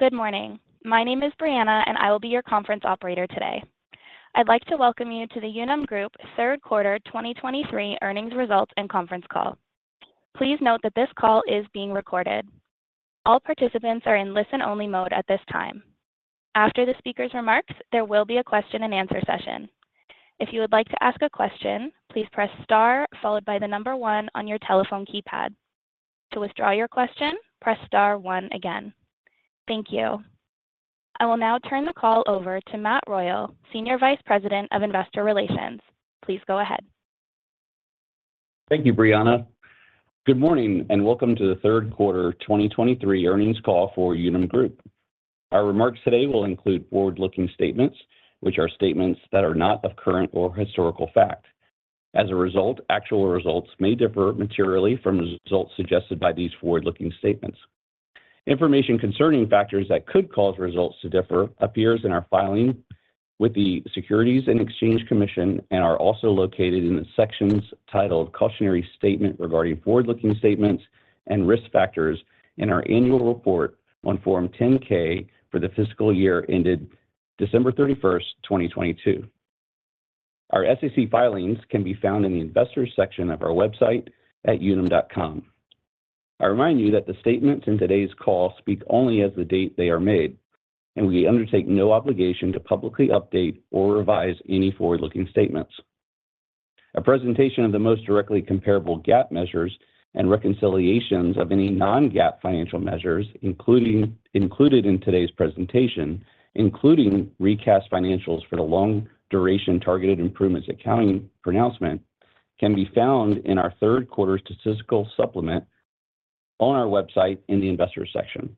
Good morning. My name is Brianna, and I will be your conference operator today. I'd like to welcome you to the Unum Group Third Quarter 2023 Earnings Results and Conference Call. Please note that this call is being recorded. All participants are in listen-only mode at this time. After the speaker's remarks, there will be a question and answer session. If you would like to ask a question, please press Star followed by the number one on your telephone keypad. To withdraw your question, press Star one again. Thank you. I will now turn the call over to Matt Royal, Senior Vice President of Investor Relations. Please go ahead. Thank you, Brianna. Good morning, and welcome to the third quarter 2023 earnings call for Unum Group. Our remarks today will include forward-looking statements, which are statements that are not of current or historical fact. As a result, actual results may differ materially from results suggested by these forward-looking statements. Information concerning factors that could cause results to differ appears in our filing with the Securities and Exchange Commission and are also located in the sections titled Cautionary Statement regarding Forward-Looking Statements and Risk Factors in our Annual Report on Form 10-K for the fiscal year ended December 31, 2022. Our SEC filings can be found in the Investors section of our website at unum.com. I remind you that the statements in today's call speak only as the date they are made, and we undertake no obligation to publicly update or revise any forward-looking statements. A presentation of the most directly comparable GAAP measures and reconciliations of any non-GAAP financial measures included in today's presentation, including recast financials for the long-duration targeted improvements accounting pronouncement, can be found in our third quarter statistical supplement on our website in the Investors section.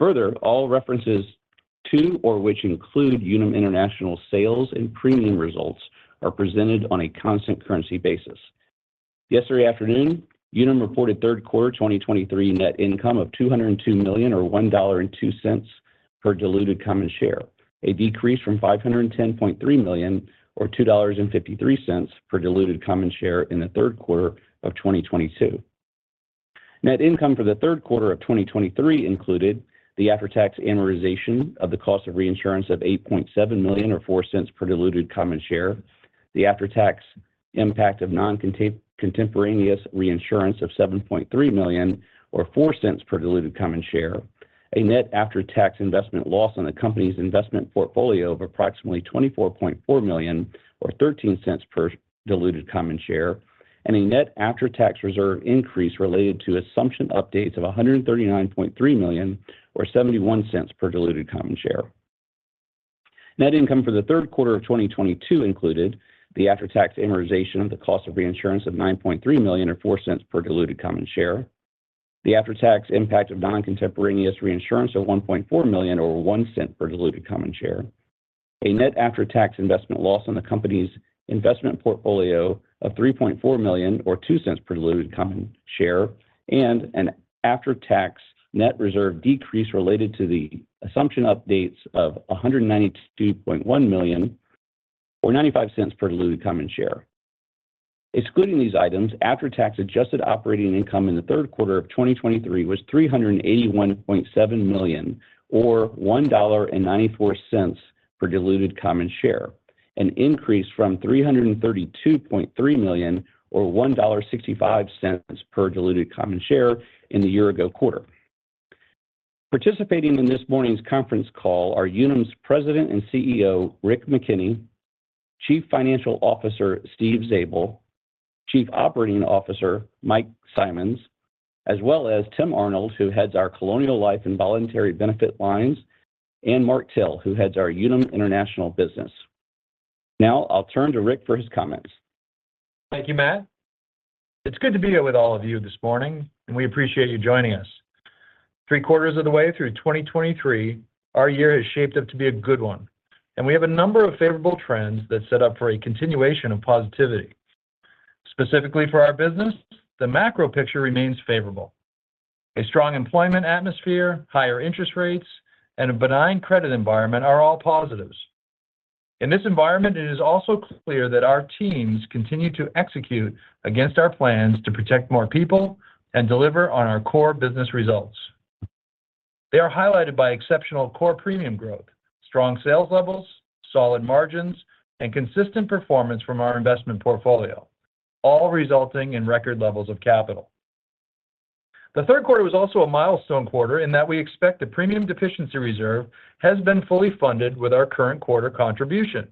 Further, all references to or which include Unum International sales and premium results are presented on a constant currency basis. Yesterday afternoon, Unum reported third quarter 2023 net income of $202 million, or $1.02 per diluted common share, a decrease from $510.3 million, or $2.53 per diluted common share in the third quarter of 2022. Net income for the third quarter of 2023 included the after-tax amortization of the cost of reinsurance of $8.7 million or $0.04 per diluted common share, the after-tax impact of non-contemporaneous reinsurance of $7.3 million or $0.04 per diluted common share, a net after-tax investment loss on the company's investment portfolio of approximately $24.4 million or $0.13 per diluted common share, and a net after-tax reserve increase related to assumption updates of $139.3 million or $0.71 per diluted common share. Net income for the third quarter of 2022 included the after-tax amortization of the cost of reinsurance of $9.3 million or $0.04 per diluted common share, the after-tax impact of non-contemporaneous reinsurance of $1.4 million or $0.01 per diluted common share, a net after-tax investment loss on the company's investment portfolio of $3.4 million or $0.02 per diluted common share, and an after-tax net reserve decrease related to the assumption updates of $192.1 million or $0.95 per diluted common share. Excluding these items, after-tax adjusted operating income in the third quarter of 2023 was $381.7 million or $1.94 per diluted common share, an increase from $332.3 million or $1.65 per diluted common share in the year-ago quarter. Participating in this morning's conference call are Unum's President and CEO, Rick McKenney, Chief Financial Officer, Steve Zabel, Chief Operating Officer, Mike Simonds, as well as Tim Arnold, who heads our Colonial Life and Voluntary Benefit lines, and Mark Till, who heads our Unum International business. Now I'll turn to Rick for his comments. Thank you, Matt. It's good to be here with all of you this morning, and we appreciate you joining us. Three quarters of the way through 2023, our year has shaped up to be a good one, and we have a number of favorable trends that set up for a continuation of positivity. Specifically for our business, the macro picture remains favorable. A strong employment atmosphere, higher interest rates, and a benign credit environment are all positives. In this environment, it is also clear that our teams continue to execute against our plans to protect more people and deliver on our core business results. They are highlighted by exceptional core premium growth, strong sales levels, solid margins, and consistent performance from our investment portfolio, all resulting in record levels of capital. The third quarter was also a milestone quarter in that we expect the premium deficiency reserve has been fully funded with our current quarter contribution.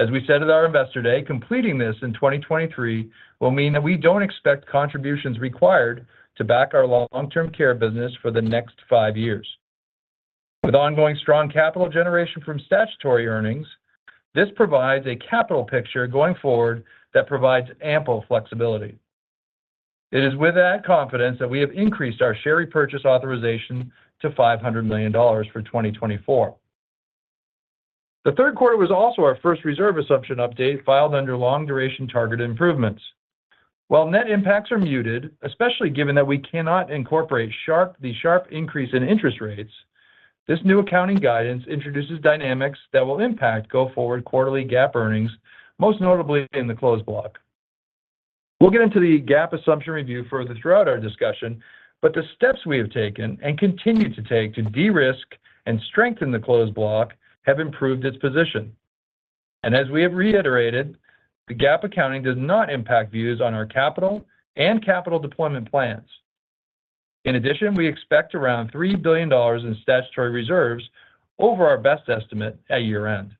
As we said at our Investor Day, completing this in 2023 will mean that we don't expect contributions required to back our long-term care business for the next 5 years. With ongoing strong capital generation from statutory earnings, this provides a capital picture going forward that provides ample flexibility. It is with that confidence that we have increased our share repurchase authorization to $500 million for 2024. The third quarter was also our first reserve assumption update, filed under long-duration targeted improvements. While net impacts are muted, especially given that we cannot incorporate the sharp increase in interest rates, this new accounting guidance introduces dynamics that will impact go-forward quarterly GAAP earnings, most notably in the close block. We'll get into the GAAP assumption review further throughout our discussion, but the steps we have taken and continue to take to de-risk and strengthen the closed block have improved its position. As we have reiterated, the GAAP accounting does not impact views on our capital and capital deployment plans. In addition, we expect around $3 billion in statutory reserves over our best estimate at year-end.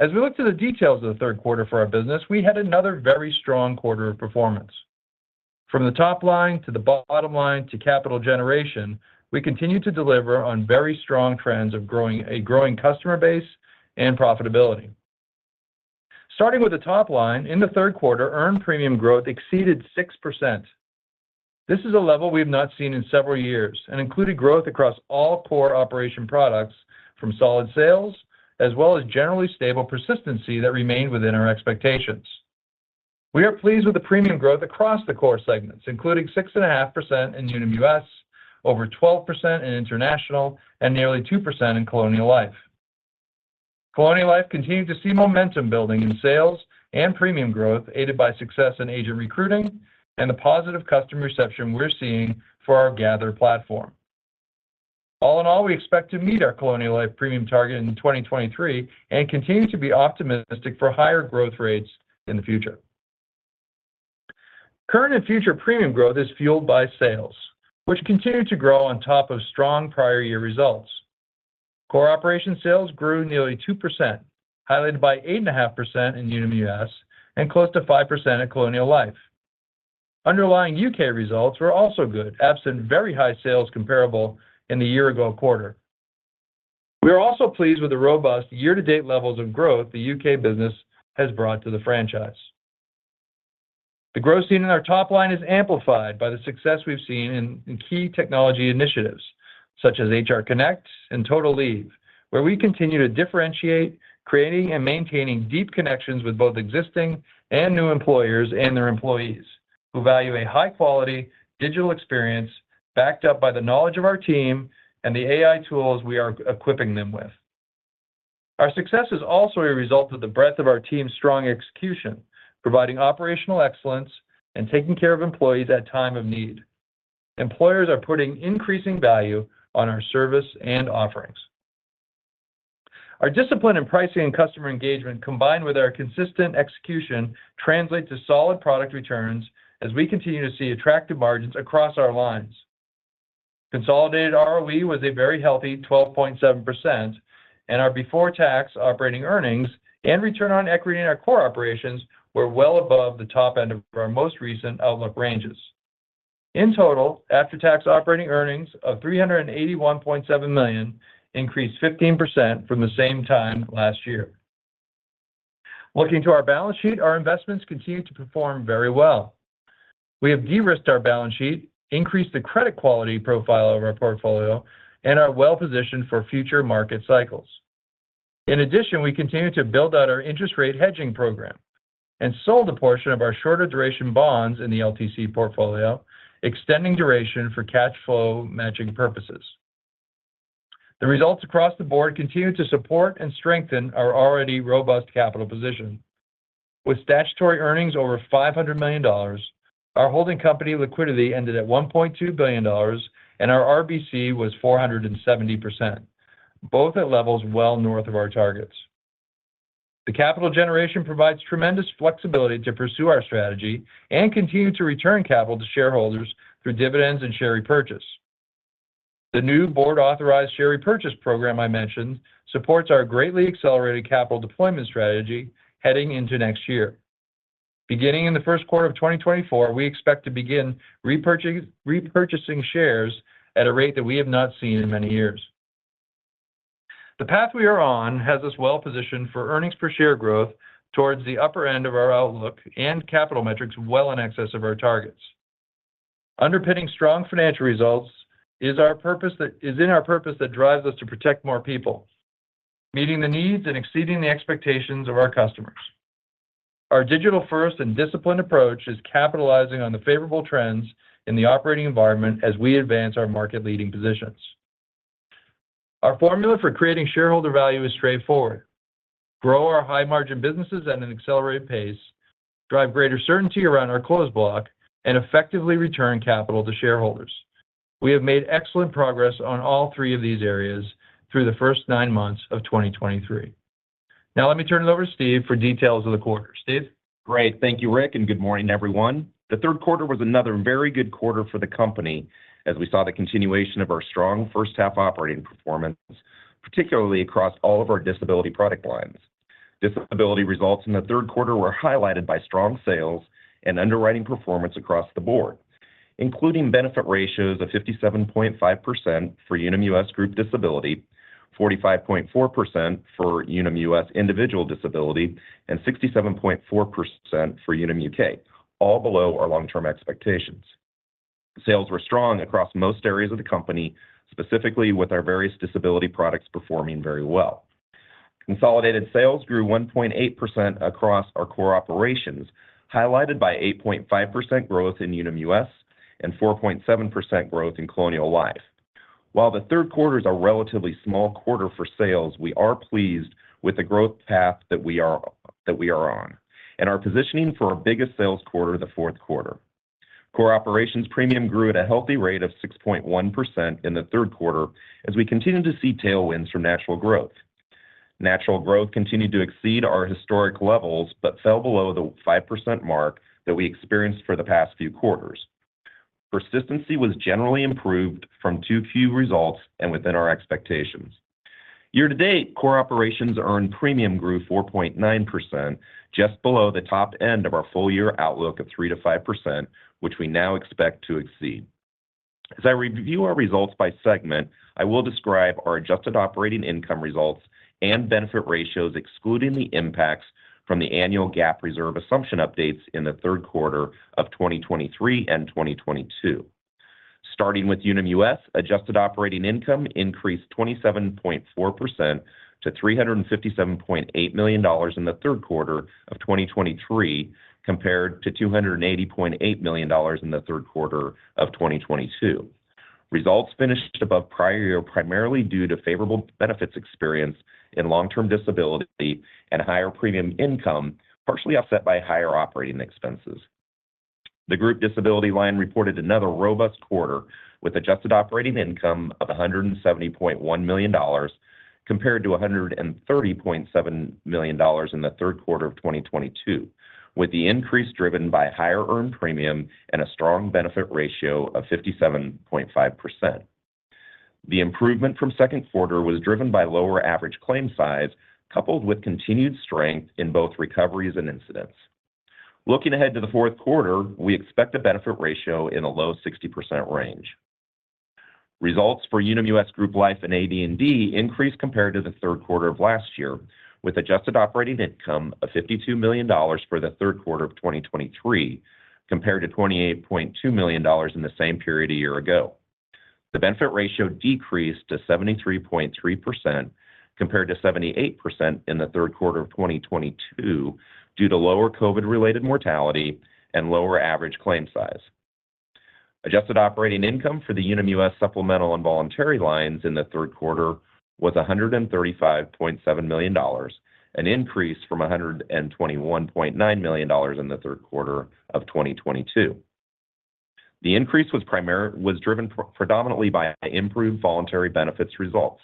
As we look to the details of the third quarter for our business, we had another very strong quarter of performance. From the top line to the bottom line to capital generation, we continued to deliver on very strong trends of growing a growing customer base and profitability. Starting with the top line, in the third quarter, earned premium growth exceeded 6%. This is a level we have not seen in several years and included growth across all core operation products from solid sales, as well as generally stable persistency that remained within our expectations. We are pleased with the premium growth across the core segments, including 6.5% in Unum U.S, over 12% in International, and nearly 2% in Colonial Life. Colonial Life continued to see momentum building in sales and premium growth, aided by success in agent recruiting and the positive customer reception we're seeing for our Gathr platform. All in all, we expect to meet our Colonial Life premium target in 2023 and continue to be optimistic for higher growth rates in the future. Current and future premium growth is fueled by sales, which continued to grow on top of strong prior year results. Core operation sales grew nearly 2%, highlighted by 8.5% in Unum U.S and close to 5% at Colonial Life. Underlying U.K. results were also good, absent very high sales comparable in the year-ago quarter. We are also pleased with the robust year-to-date levels of growth the U.K. business has brought to the franchise. The growth seen in our top line is amplified by the success we've seen in key technology initiatives such as HR Connect and Total Leave, where we continue to differentiate, creating and maintaining deep connections with both existing and new employers and their employees, who value a high-quality digital experience backed up by the knowledge of our team and the AI tools we are equipping them with. Our success is also a result of the breadth of our team's strong execution, providing operational excellence and taking care of employees at time of need. Employers are putting increasing value on our service and offerings. Our discipline in pricing and customer engagement, combined with our consistent execution, translate to solid product returns as we continue to see attractive margins across our lines. Consolidated ROE was a very healthy 12.7%, and our before-tax operating earnings and return on equity in our core operations were well above the top end of our most recent outlook ranges. In total, after-tax operating earnings of $381.7 million increased 15% from the same time last year. Looking to our balance sheet, our investments continue to perform very well. We have de-risked our balance sheet, increased the credit quality profile of our portfolio, and are well positioned for future market cycles. In addition, we continued to build out our interest rate hedging program and sold a portion of our shorter duration bonds in the LTC portfolio, extending duration for cash flow matching purposes. The results across the board continued to support and strengthen our already robust capital position. With statutory earnings over $500 million, our holding company liquidity ended at $1.2 billion, and our RBC was 470%, both at levels well north of our targets. The capital generation provides tremendous flexibility to pursue our strategy and continue to return capital to shareholders through dividends and share repurchase. The new board-authorized share repurchase program I mentioned supports our greatly accelerated capital deployment strategy heading into next year. Beginning in the first quarter of 2024, we expect to begin repurchasing shares at a rate that we have not seen in many years. The path we are on has us well positioned for earnings per share growth towards the upper end of our outlook and capital metrics well in excess of our targets. Underpinning strong financial results is our purpose that drives us to protect more people, meeting the needs and exceeding the expectations of our customers. Our digital-first and disciplined approach is capitalizing on the favorable trends in the operating environment as we advance our market-leading positions. Our formula for creating shareholder value is straightforward: grow our high-margin businesses at an accelerated pace, drive greater certainty around our closed block, and effectively return capital to shareholders. We have made excellent progress on all three of these areas through the first nine months of 2023. Now let me turn it over to Steve for details of the quarter. Steve? Great. Thank you, Rick, and good morning, everyone. The third quarter was another very good quarter for the company as we saw the continuation of our strong first half operating performance, particularly across all of our disability product lines. Disability results in the third quarter were highlighted by strong sales and underwriting performance across the board, including benefit ratios of 57.5% for Unum U.S Group Disability, 45.4% for Unum U.S Individual Disability, and 67.4% for Unum U.K, all below our long-term expectations. Sales were strong across most areas of the company, specifically with our various disability products performing very well. Consolidated sales grew 1.8% across our core operations, highlighted by 8.5% growth in Unum U.S and 4.7% growth in Colonial Life.... While the third quarter is a relatively small quarter for sales, we are pleased with the growth path that we are, that we are on, and are positioning for our biggest sales quarter, the fourth quarter. Core operations premium grew at a healthy rate of 6.1% in the third quarter as we continued to see tailwinds from natural growth. Natural growth continued to exceed our historic levels, but fell below the 5% mark that we experienced for the past few quarters. Persistency was generally improved from Q2 results and within our expectations. Year to date, core operations earned premium grew 4.9%, just below the top end of our full year outlook of 3%-5%, which we now expect to exceed. As I review our results by segment, I will describe our adjusted operating income results and benefit ratios, excluding the impacts from the annual GAAP reserve assumption updates in the third quarter of 2023 and 2022. Starting with Unum U.S, adjusted operating income increased 27.4% to $357.8 million in the third quarter of 2023, compared to $280.8 million in the third quarter of 2022. Results finished above prior year, primarily due to favorable benefits experience in long-term disability and higher premium income, partially offset by higher operating expenses. The group disability line reported another robust quarter, with adjusted operating income of $170.1 million, compared to $130.7 million in the third quarter of 2022, with the increase driven by higher earned premium and a strong benefit ratio of 57.5%. The improvement from second quarter was driven by lower average claim size, coupled with continued strength in both recoveries and incidence. Looking ahead to the fourth quarter, we expect a benefit ratio in the low 60% range. Results for Unum U.S Group Life and AD&D increased compared to the third quarter of last year, with adjusted operating income of $52 million for the third quarter of 2023, compared to $28.2 million in the same period a year ago. The benefit ratio decreased to 73.3%, compared to 78% in the third quarter of 2022, due to lower COVID-related mortality and lower average claim size. Adjusted operating income for the Unum U.S supplemental and voluntary lines in the third quarter was $135.7 million, an increase from $121.9 million in the third quarter of 2022. The increase was driven predominantly by improved voluntary benefits results.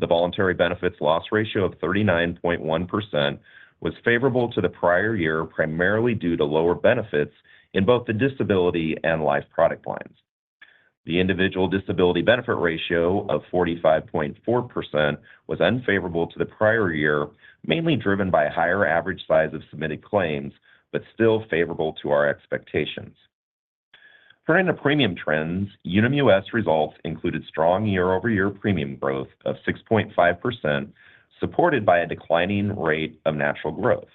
The voluntary benefits loss ratio of 39.1% was favorable to the prior year, primarily due to lower benefits in both the disability and life product lines. The individual disability benefit ratio of 45.4% was unfavorable to the prior year, mainly driven by a higher average size of submitted claims, but still favorable to our expectations. Turning to premium trends, Unum U.S results included strong year-over-year premium growth of 6.5%, supported by a declining rate of natural growth.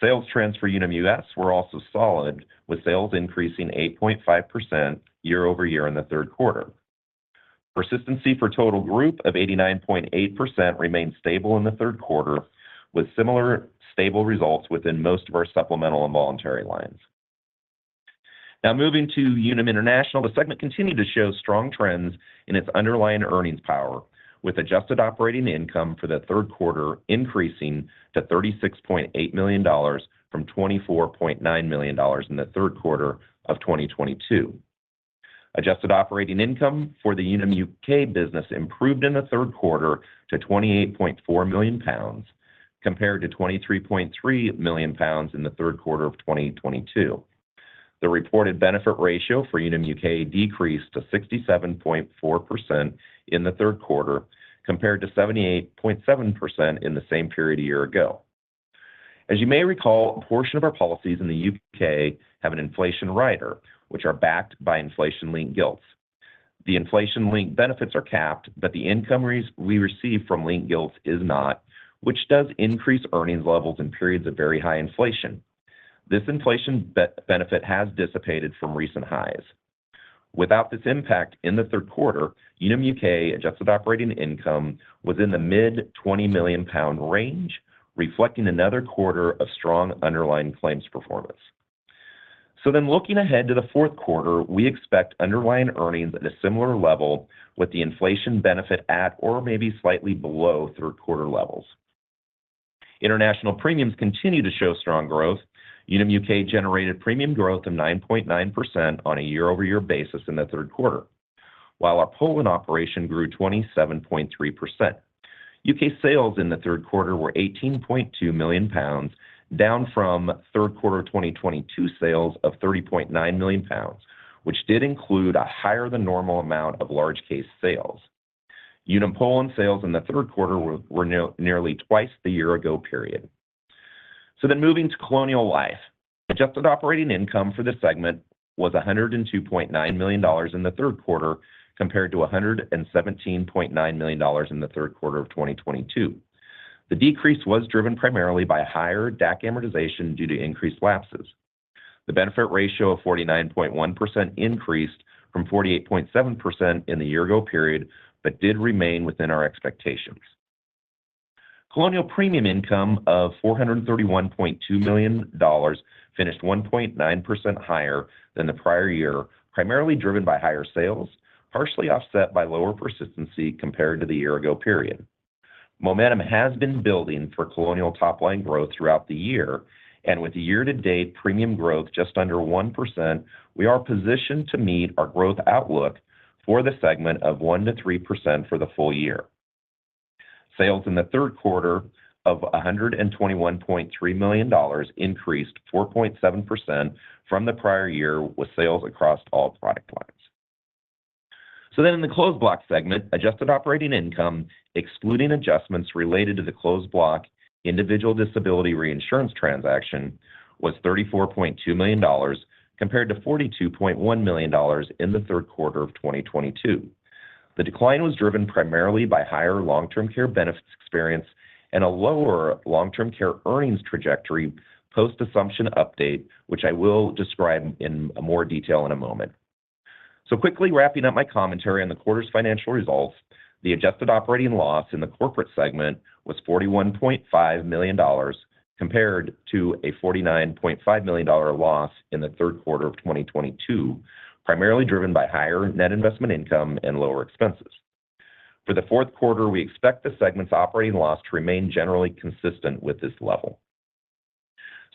Sales trends for Unum U.S were also solid, with sales increasing 8.5% year over year in the third quarter. Persistency for total group of 89.8% remained stable in the third quarter, with similar stable results within most of our supplemental and voluntary lines. Now moving to Unum International, the segment continued to show strong trends in its underlying earnings power, with adjusted operating income for the third quarter increasing to $36.8 million from $24.9 million in the third quarter of 2022. Adjusted operating income for the Unum U.K. business improved in the third quarter to 28.4 million pounds, compared to 23.3 million pounds in the third quarter of 2022. The reported benefit ratio for Unum U.K. decreased to 67.4% in the third quarter, compared to 78.7% in the same period a year ago. As you may recall, a portion of our policies in the U.K. have an inflation rider, which are backed by inflation-linked gilts. The inflation-linked benefits are capped, but the income we receive from linked gilts is not, which does increase earnings levels in periods of very high inflation. This inflation benefit has dissipated from recent highs. Without this impact, in the third quarter, Unum U.K. adjusted operating income was in the mid-20 million GBP range, reflecting another quarter of strong underlying claims performance. Looking ahead to the fourth quarter, we expect underlying earnings at a similar level with the inflation benefit at or maybe slightly below third quarter levels. International premiums continue to show strong growth. Unum U.K generated premium growth of 9.9% on a year-over-year basis in the third quarter, while our Poland operation grew 27.3%. U.K sales in the third quarter were 18.2 million pounds, down from third quarter 2022 sales of 30.9 million pounds, which did include a higher-than-normal amount of large case sales. Unum Poland sales in the third quarter were nearly twice the year ago period. Moving to Colonial Life. Adjusted operating income for this segment was $102.9 million in the third quarter, compared to $117.9 million in the third quarter of 2022. The decrease was driven primarily by higher DAC amortization due to increased lapses. The benefit ratio of 49.1% increased from 48.7% in the year ago period, but did remain within our expectations. Colonial premium income of $431.2 million finished 1.9% higher than the prior year, primarily driven by higher sales, partially offset by lower persistency compared to the year ago period. Momentum has been building for Colonial top-line growth throughout the year, and with year-to-date premium growth just under 1%, we are positioned to meet our growth outlook for the segment of 1%-3% for the full year. Sales in the third quarter of $121.3 million increased 4.7% from the prior year, with sales across all product lines. So then in the Closed Block segment, adjusted operating income, excluding adjustments related to the Closed Block individual disability reinsurance transaction, was $34.2 million, compared to $42.1 million in the third quarter of 2022. The decline was driven primarily by higher long-term care benefits experience and a lower long-term care earnings trajectory post-assumption update, which I will describe in more detail in a moment. So quickly wrapping up my commentary on the quarter's financial results, the adjusted operating loss in the corporate segment was $41.5 million, compared to a $49.5 million loss in the third quarter of 2022, primarily driven by higher net investment income and lower expenses. For the fourth quarter, we expect the segment's operating loss to remain generally consistent with this level.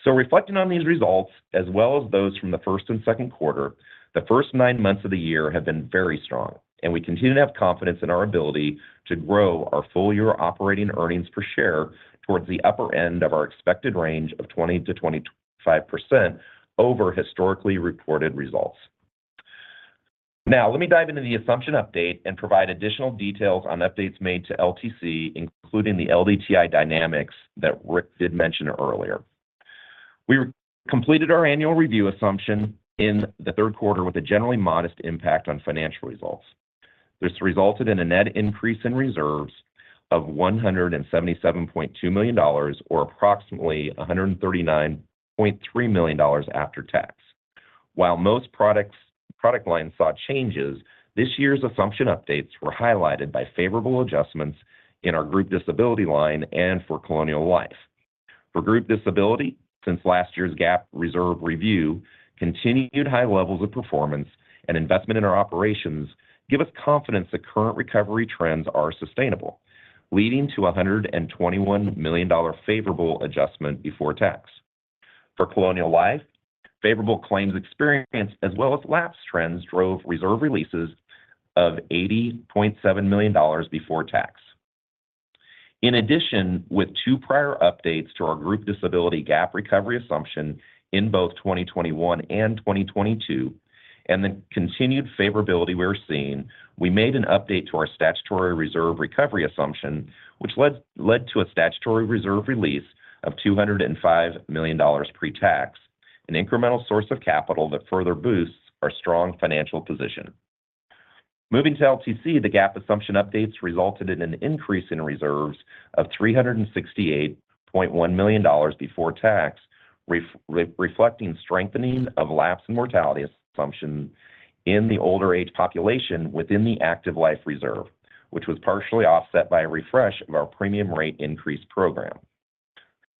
So reflecting on these results, as well as those from the first and second quarter, the first nine months of the year have been very strong, and we continue to have confidence in our ability to grow our full-year operating earnings per share towards the upper end of our expected range of 20%-25% over historically reported results. Now, let me dive into the assumption update and provide additional details on updates made to LTC, including the LDTI dynamics that Rick did mention earlier. We completed our annual review assumption in the third quarter with a generally modest impact on financial results. This resulted in a net increase in reserves of $177.2 million or approximately $139.3 million after tax. While most products, product lines saw changes, this year's assumption updates were highlighted by favorable adjustments in our group disability line and for Colonial Life. For group disability, since last year's GAAP reserve review, continued high levels of performance and investment in our operations give us confidence that current recovery trends are sustainable, leading to a $121 million favorable adjustment before tax. For Colonial Life, favorable claims experience, as well as lapse trends, drove reserve releases of $80.7 million before tax. In addition, with two prior updates to our group disability GAAP recovery assumption in both 2021 and 2022, and the continued favorability we're seeing, we made an update to our statutory reserve recovery assumption, which led to a statutory reserve release of $205 million pre-tax, an incremental source of capital that further boosts our strong financial position. Moving to LTC, the GAAP assumption updates resulted in an increase in reserves of $368.1 million before tax, reflecting strengthening of lapse and mortality assumptions in the older age population within the active life reserve, which was partially offset by a refresh of our premium rate increase program.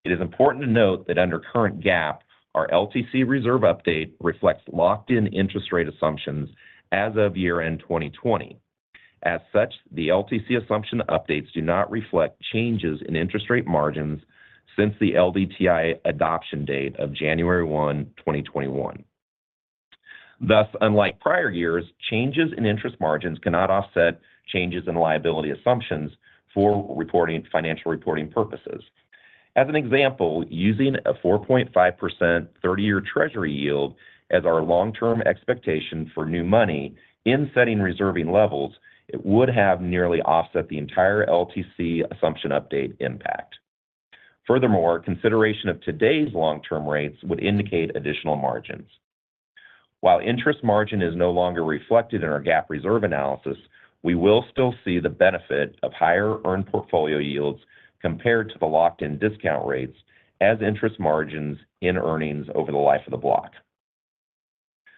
It is important to note that under current GAAP, our LTC reserve update reflects locked-in interest rate assumptions as of year-end 2020. As such, the LTC assumption updates do not reflect changes in interest rate margins since the LDTI adoption date of January 1, 2021. Thus, unlike prior years, changes in interest margins cannot offset changes in liability assumptions for reporting, financial reporting purposes. As an example, using a 4.5% 30-year treasury yield as our long-term expectation for new money in setting reserving levels, it would have nearly offset the entire LTC assumption update impact. Furthermore, consideration of today's long-term rates would indicate additional margins. While interest margin is no longer reflected in our GAAP reserve analysis, we will still see the benefit of higher earned portfolio yields compared to the locked-in discount rates as interest margins in earnings over the life of the block.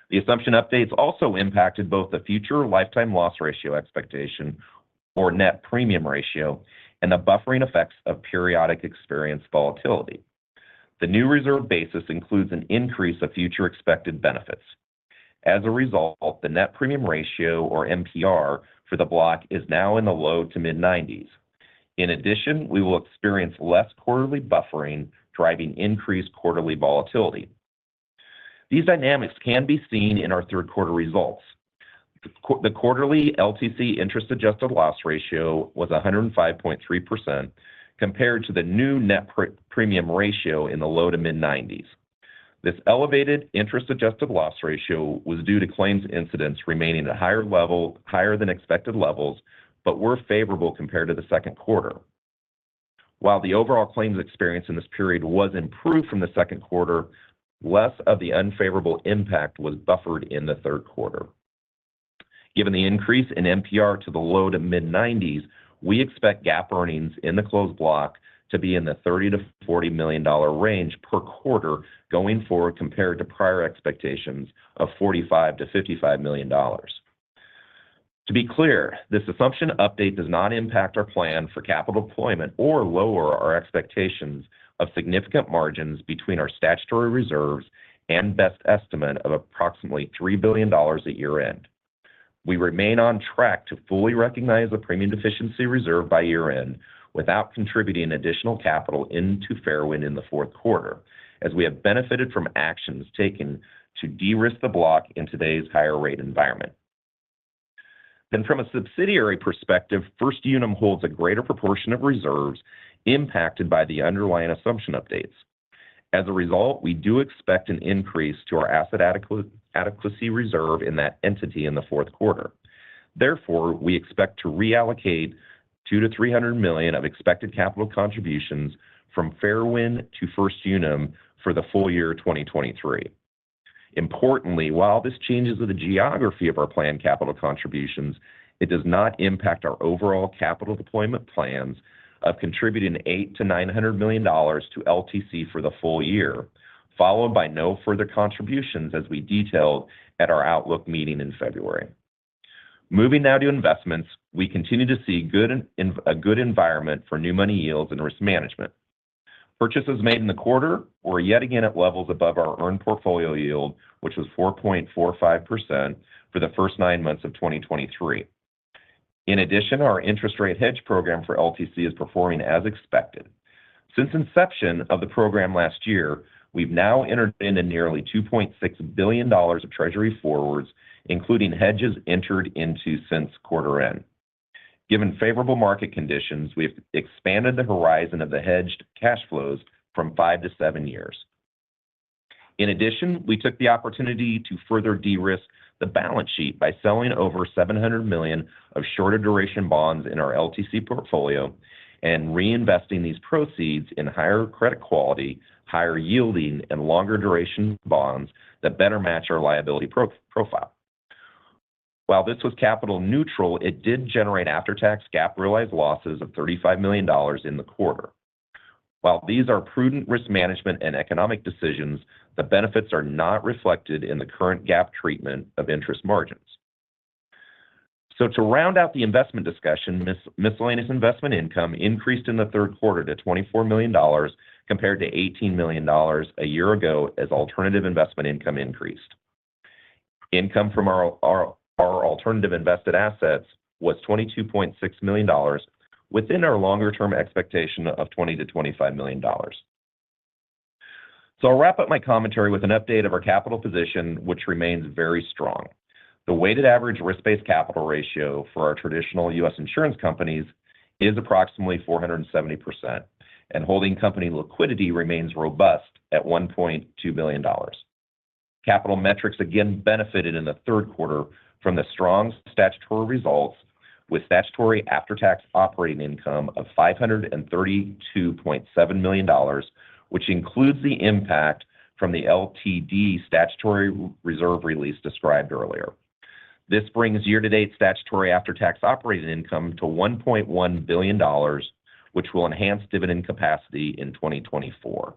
The assumption updates also impacted both the future lifetime loss ratio expectation or net premium ratio, and the buffering effects of periodic experience volatility. The new reserve basis includes an increase of future expected benefits. As a result, the net premium ratio, or NPR, for the block is now in the low-to-mid 90s. In addition, we will experience less quarterly buffering, driving increased quarterly volatility. These dynamics can be seen in our third quarter results. The quarterly LTC interest-adjusted loss ratio was 105.3%, compared to the new net premium ratio in the low-to-mid 90s. This elevated interest-adjusted loss ratio was due to claims incidents remaining at a higher level, higher than expected levels, but were favorable compared to the second quarter. While the overall claims experience in this period was improved from the second quarter, less of the unfavorable impact was buffered in the third quarter. Given the increase in NPR to the low- to mid-90s, we expect GAAP earnings in the Closed Block to be in the $30 million-$40 million range per quarter going forward, compared to prior expectations of $45 million-$55 million.... To be clear, this assumption update does not impact our plan for capital deployment or lower our expectations of significant margins between our statutory reserves and best estimate of approximately $3 billion at year-end. We remain on track to fully recognize the premium deficiency reserve by year-end without contributing additional capital into Fairwind in the fourth quarter, as we have benefited from actions taken to de-risk the block in today's higher rate environment. Then from a subsidiary perspective, First Unum holds a greater proportion of reserves impacted by the underlying assumption updates. As a result, we do expect an increase to our asset adequacy reserve in that entity in the fourth quarter. Therefore, we expect to reallocate $200 million-$300 million of expected capital contributions from Fairwind to First Unum for the full year 2023. Importantly, while this changes the geography of our planned capital contributions, it does not impact our overall capital deployment plans of contributing $800 million-$900 million to LTC for the full year, followed by no further contributions as we detailed at our outlook meeting in February. Moving now to investments. We continue to see a good environment for new money yields and risk management. Purchases made in the quarter were yet again at levels above our earned portfolio yield, which was 4.45% for the first nine months of 2023. In addition, our interest rate hedge program for LTC is performing as expected. Since inception of the program last year, we've now entered into nearly $2.6 billion of treasury forwards, including hedges entered into since quarter end. Given favorable market conditions, we've expanded the horizon of the hedged cash flows from 5-7 years. In addition, we took the opportunity to further de-risk the balance sheet by selling over $700 million of shorter duration bonds in our LTC portfolio and reinvesting these proceeds in higher credit quality, higher yielding, and longer duration bonds that better match our liability profile. While this was capital neutral, it did generate after-tax GAAP realized losses of $35 million in the quarter. While these are prudent risk management and economic decisions, the benefits are not reflected in the current GAAP treatment of interest margins. So to round out the investment discussion, miscellaneous investment income increased in the third quarter to $24 million, compared to $18 million a year ago as alternative investment income increased. Income from our alternative invested assets was $22.6 million within our longer term expectation of $20 million-$25 million. So I'll wrap up my commentary with an update of our capital position, which remains very strong. The weighted average risk-based capital ratio for our traditional U.S. insurance companies is approximately 470%, and holding company liquidity remains robust at $1.2 billion. Capital metrics again benefited in the third quarter from the strong statutory results, with statutory after-tax operating income of $532.7 million, which includes the impact from the LTD statutory reserve release described earlier. This brings year-to-date statutory after-tax operating income to $1.1 billion, which will enhance dividend capacity in 2024.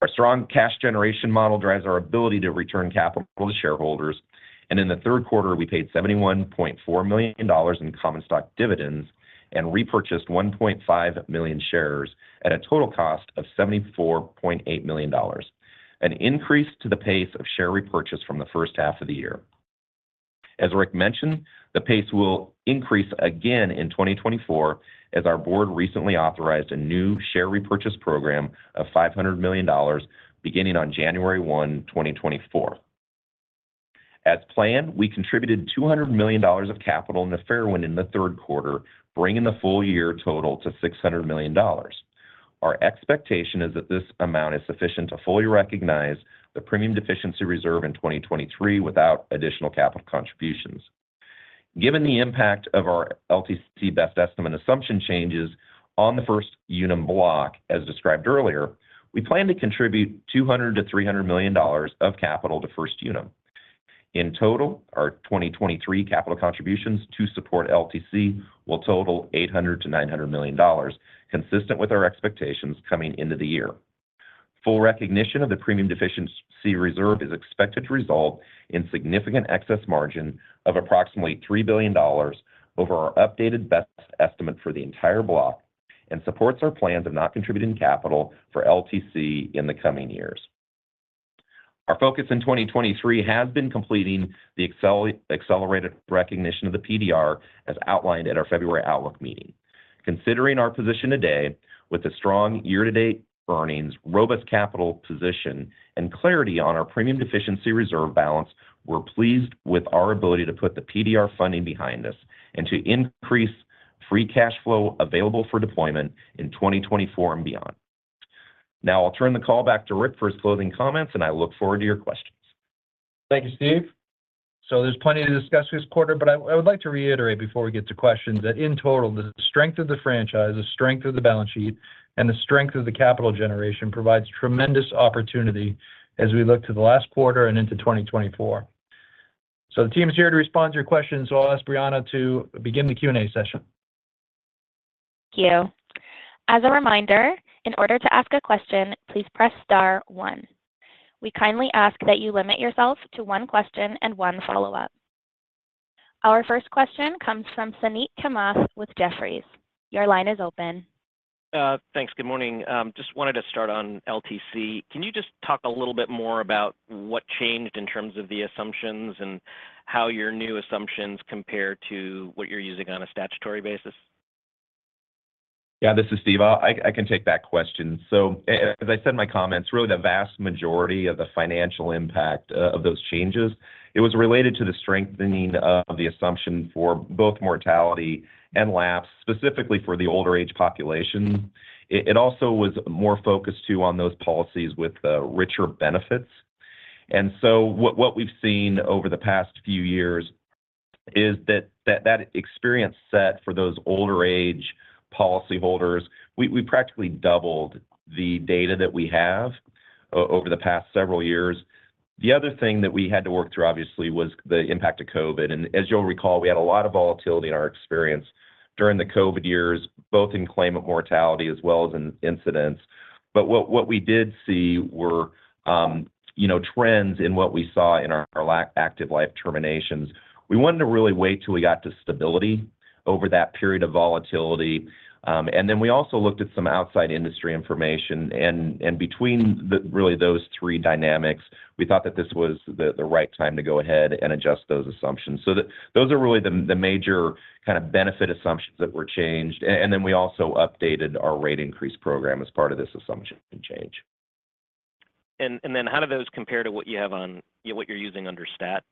Our strong cash generation model drives our ability to return capital to shareholders, and in the third quarter, we paid $71.4 million in common stock dividends and repurchased 1.5 million shares at a total cost of $74.8 million, an increase to the pace of share repurchase from the first half of the year. As Rick mentioned, the pace will increase again in 2024, as our board recently authorized a new share repurchase program of $500 million beginning on January 1, 2024. As planned, we contributed $200 million of capital into Fairwind in the third quarter, bringing the full year total to $600 million. Our expectation is that this amount is sufficient to fully recognize the premium deficiency reserve in 2023 without additional capital contributions. Given the impact of our LTC best estimate assumption changes on the First Unum block, as described earlier, we plan to contribute $200-$300 million of capital to First Unum. In total, our 2023 capital contributions to support LTC will total $800-$900 million, consistent with our expectations coming into the year. Full recognition of the premium deficiency reserve is expected to result in significant excess margin of approximately $3 billion over our updated best estimate for the entire block and supports our plans of not contributing capital for LTC in the coming years. Our focus in 2023 has been completing the accelerated recognition of the PDR, as outlined at our February outlook meeting. Considering our position today with the strong year-to-date earnings, robust capital position, and clarity on our premium deficiency reserve balance, we're pleased with our ability to put the PDR funding behind us and to increase free cash flow available for deployment in 2024 and beyond. Now I'll turn the call back to Rick for his closing comments, and I look forward to your questions. Thank you, Steve. So there's plenty to discuss this quarter, but I, I would like to reiterate before we get to questions, that in total, the strength of the franchise, the strength of the balance sheet, and the strength of the capital generation provides tremendous opportunity as we look to the last quarter and into 2024. So the team is here to respond to your questions. So I'll ask Brianna to begin the Q&A session.... Thank you. As a reminder, in order to ask a question, please press star one. We kindly ask that you limit yourself to one question and one follow-up. Our first question comes from Suneet Kamath with Jefferies. Your line is open. Thanks. Good morning. Just wanted to start on LTC. Can you just talk a little bit more about what changed in terms of the assumptions and how your new assumptions compare to what you're using on a statutory basis? Yeah, this is Steve. I can take that question. So as I said in my comments, really the vast majority of the financial impact of those changes, it was related to the strengthening of the assumption for both mortality and lapse, specifically for the older age population. It also was more focused, too, on those policies with richer benefits. And so what we've seen over the past few years is that that experience set for those older age policy holders, we practically doubled the data that we have over the past several years. The other thing that we had to work through, obviously, was the impact of COVID. And as you'll recall, we had a lot of volatility in our experience during the COVID years, both in claim of mortality as well as in incidents. But what we did see were, you know, trends in what we saw in our lapse active life terminations. We wanted to really wait till we got to stability over that period of volatility, and then we also looked at some outside industry information, and between really those three dynamics, we thought that this was the right time to go ahead and adjust those assumptions. So those are really the major kind of benefit assumptions that were changed. And then we also updated our rate increase program as part of this assumption change. And then, how do those compare to what you have on, you know, what you're using under stat?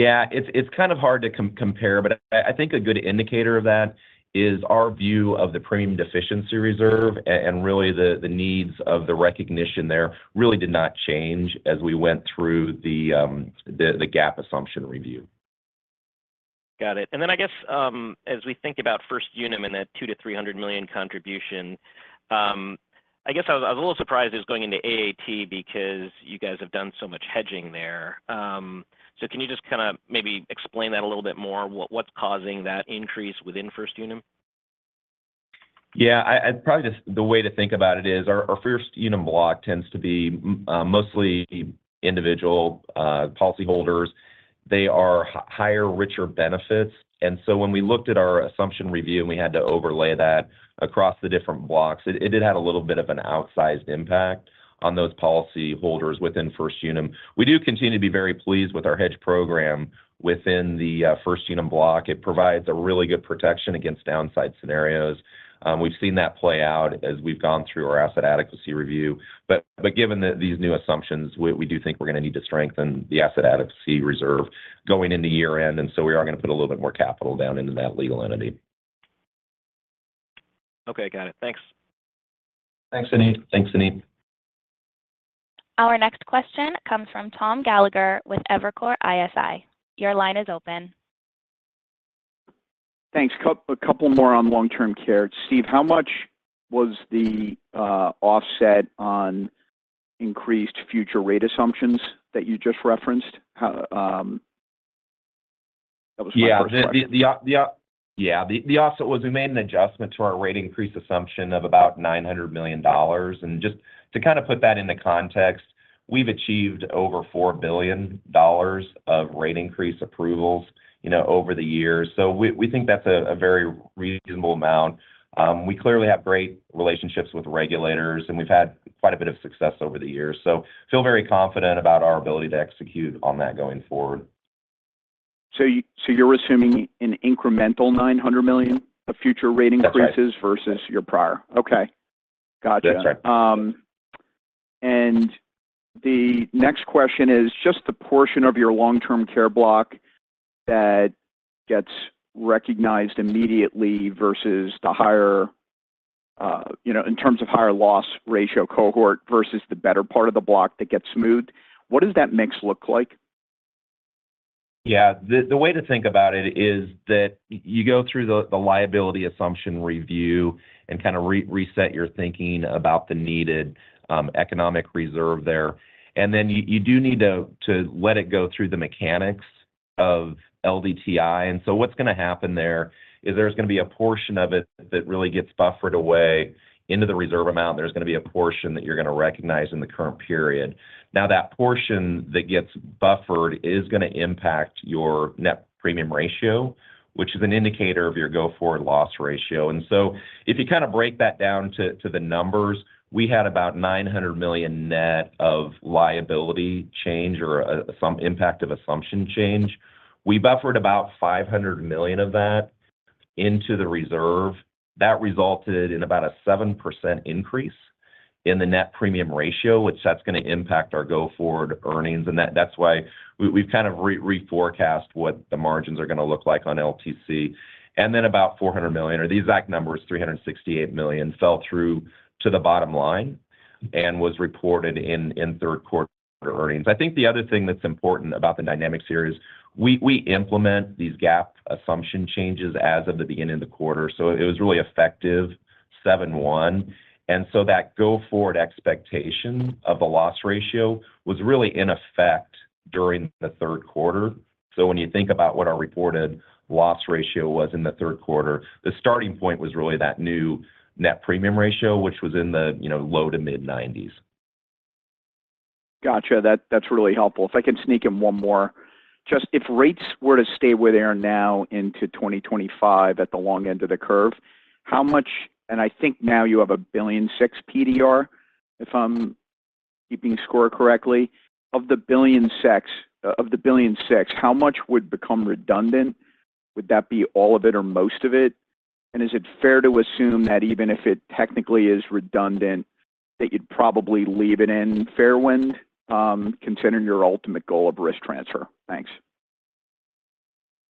Yeah, it's kind of hard to compare, but I think a good indicator of that is our view of the Premium Deficiency Reserve, and really the needs of the recognition there really did not change as we went through the GAAP assumption review. Got it. And then I guess, as we think about First Unum and that $200 million-$300 million contribution, I guess I was a little surprised it was going into AAT because you guys have done so much hedging there. So can you just kind of maybe explain that a little bit more? What's causing that increase within First Unum? Yeah, I probably just the way to think about it is our First Unum block tends to be mostly individual policyholders. They are higher, richer benefits, and so when we looked at our assumption review, and we had to overlay that across the different blocks, it did have a little bit of an outsized impact on those policyholders within First Unum. We do continue to be very pleased with our hedge program within the First Unum block. It provides a really good protection against downside scenarios. We've seen that play out as we've gone through our asset adequacy review. But given these new assumptions, we do think we're going to need to strengthen the asset adequacy reserve going into year-end, and so we are going to put a little bit more capital down into that legal entity. Okay, got it. Thanks. Thanks, Suneet. Thanks, Suneet. Our next question comes from Tom Gallagher with Evercore ISI. Your line is open. Thanks. A couple more on long-term care. Steve, how much was the offset on increased future rate assumptions that you just referenced? How... That was my first question. Yeah. The offset was we made an adjustment to our rate increase assumption of about $900 million. And just to kind of put that into context, we've achieved over $4 billion of rate increase approvals, you know, over the years. So we think that's a very reasonable amount. We clearly have great relationships with regulators, and we've had quite a bit of success over the years, so feel very confident about our ability to execute on that going forward. So you're assuming an incremental $900 million of future rate increases- That's right... versus your prior? Okay. Gotcha. That's right. The next question is, just the portion of your long-term care block that gets recognized immediately versus the higher, you know, in terms of higher loss ratio cohort versus the better part of the block that gets smoothed, what does that mix look like? Yeah. The way to think about it is that you go through the liability assumption review and kind of reset your thinking about the needed economic reserve there. And then you do need to let it go through the mechanics of LDTI. And so what's going to happen there is there's going to be a portion of it that really gets buffered away into the reserve amount. There's going to be a portion that you're going to recognize in the current period. Now, that portion that gets buffered is going to impact your net premium ratio, which is an indicator of your go-forward loss ratio. And so if you kind of break that down to the numbers, we had about $900 million net of liability change or some impact of assumption change. We buffered about $500 million of that into the reserve. That resulted in about a 7% increase in the net premium ratio, which that's going to impact our go-forward earnings, and that's why we've kind of reforecast what the margins are going to look like on LTC. Then about $400 million, or the exact number is $368 million, fell through to the bottom line and was reported in third quarter earnings. I think the other thing that's important about the dynamics here is we implement these GAAP assumption changes as of the beginning of the quarter, so it was really effective 7/1. So that go-forward expectation of the loss ratio was really in effect during the third quarter. So when you think about what our reported loss ratio was in the third quarter, the starting point was really that new net premium ratio, which was in the, you know, low-to-mid-90s.... Gotcha. That, that's really helpful. If I can sneak in one more. Just if rates were to stay where they are now into 2025 at the long end of the curve, how much—and I think now you have a $1.6 billion PDR, if I'm keeping score correctly. Of the $1.6 billion, of the $1.6 billion, how much would become redundant? Would that be all of it or most of it? And is it fair to assume that even if it technically is redundant, that you'd probably leave it in Fairwind, considering your ultimate goal of risk transfer? Thanks.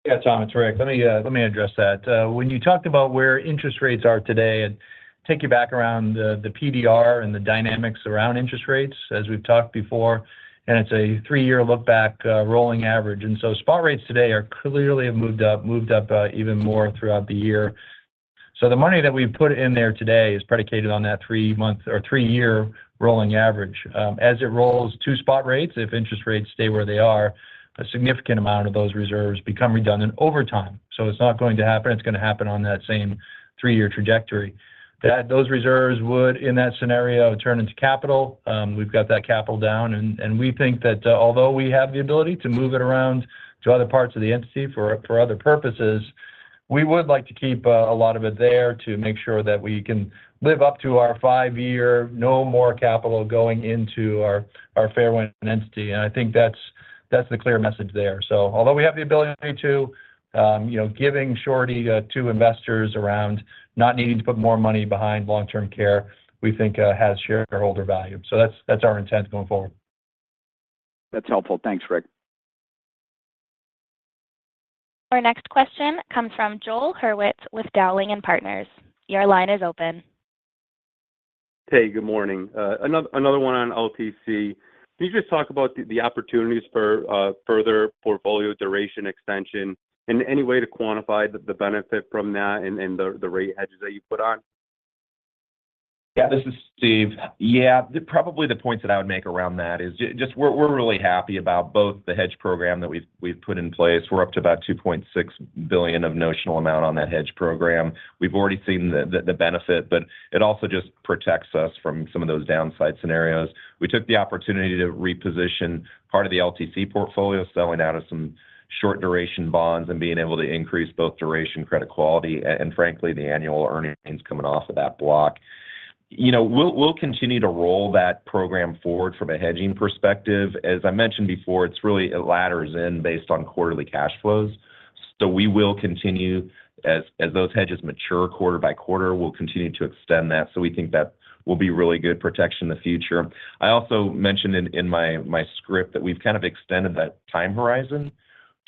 Yeah, Tom, it's Rick. Let me, let me address that. When you talked about where interest rates are today, and take you back around the, the PDR and the dynamics around interest rates, as we've talked before, and it's a three-year look back, rolling average. And so spot rates today are clearly have moved up, moved up, even more throughout the year. So the money that we've put in there today is predicated on that three-month or three-year rolling average. As it rolls to spot rates, if interest rates stay where they are, a significant amount of those reserves become redundant over time. So it's not going to happen, it's going to happen on that same three-year trajectory. That those reserves would, in that scenario, turn into capital. We've got that capital down, and we think that, although we have the ability to move it around to other parts of the entity for other purposes, we would like to keep a lot of it there to make sure that we can live up to our five-year, no more capital going into our Fairwind entity. And I think that's the clear message there. So although we have the ability to, you know, giving short shrift to investors around not needing to put more money behind long-term care, we think has shareholder value. So that's our intent going forward. That's helpful. Thanks, Rick. Our next question comes from Joel Hurwitz with Dowling and Partners. Your line is open. Hey, good morning. Another one on LTC. Can you just talk about the opportunities for further portfolio duration extension, and any way to quantify the benefit from that and the rate hedges that you put on? Yeah, this is Steve. Yeah, probably the points that I would make around that is just we're really happy about both the hedge program that we've put in place. We're up to about $2.6 billion of notional amount on that hedge program. We've already seen the benefit, but it also just protects us from some of those downside scenarios. We took the opportunity to reposition part of the LTC portfolio, selling out of some short-duration bonds and being able to increase both duration, credit quality, and frankly, the annual earnings coming off of that block. You know, we'll continue to roll that program forward from a hedging perspective. As I mentioned before, it's really, it ladders in based on quarterly cash flows. So we will continue as those hedges mature quarter by quarter, we'll continue to extend that. So we think that will be really good protection in the future. I also mentioned in my script that we've kind of extended that time horizon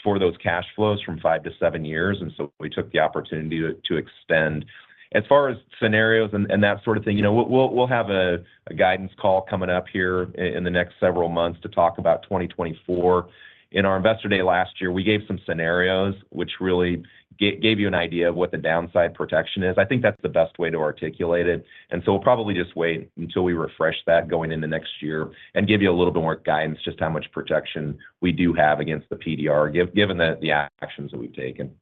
for those cash flows from 5-7 years, and so we took the opportunity to extend. As far as scenarios and that sort of thing, you know, we'll have a guidance call coming up here in the next several months to talk about 2024. In our Investor Day last year, we gave some scenarios which really gave you an idea of what the downside protection is. I think that's the best way to articulate it, and so we'll probably just wait until we refresh that going into next year and give you a little bit more guidance, just how much protection we do have against the PDR, given the actions that we've taken.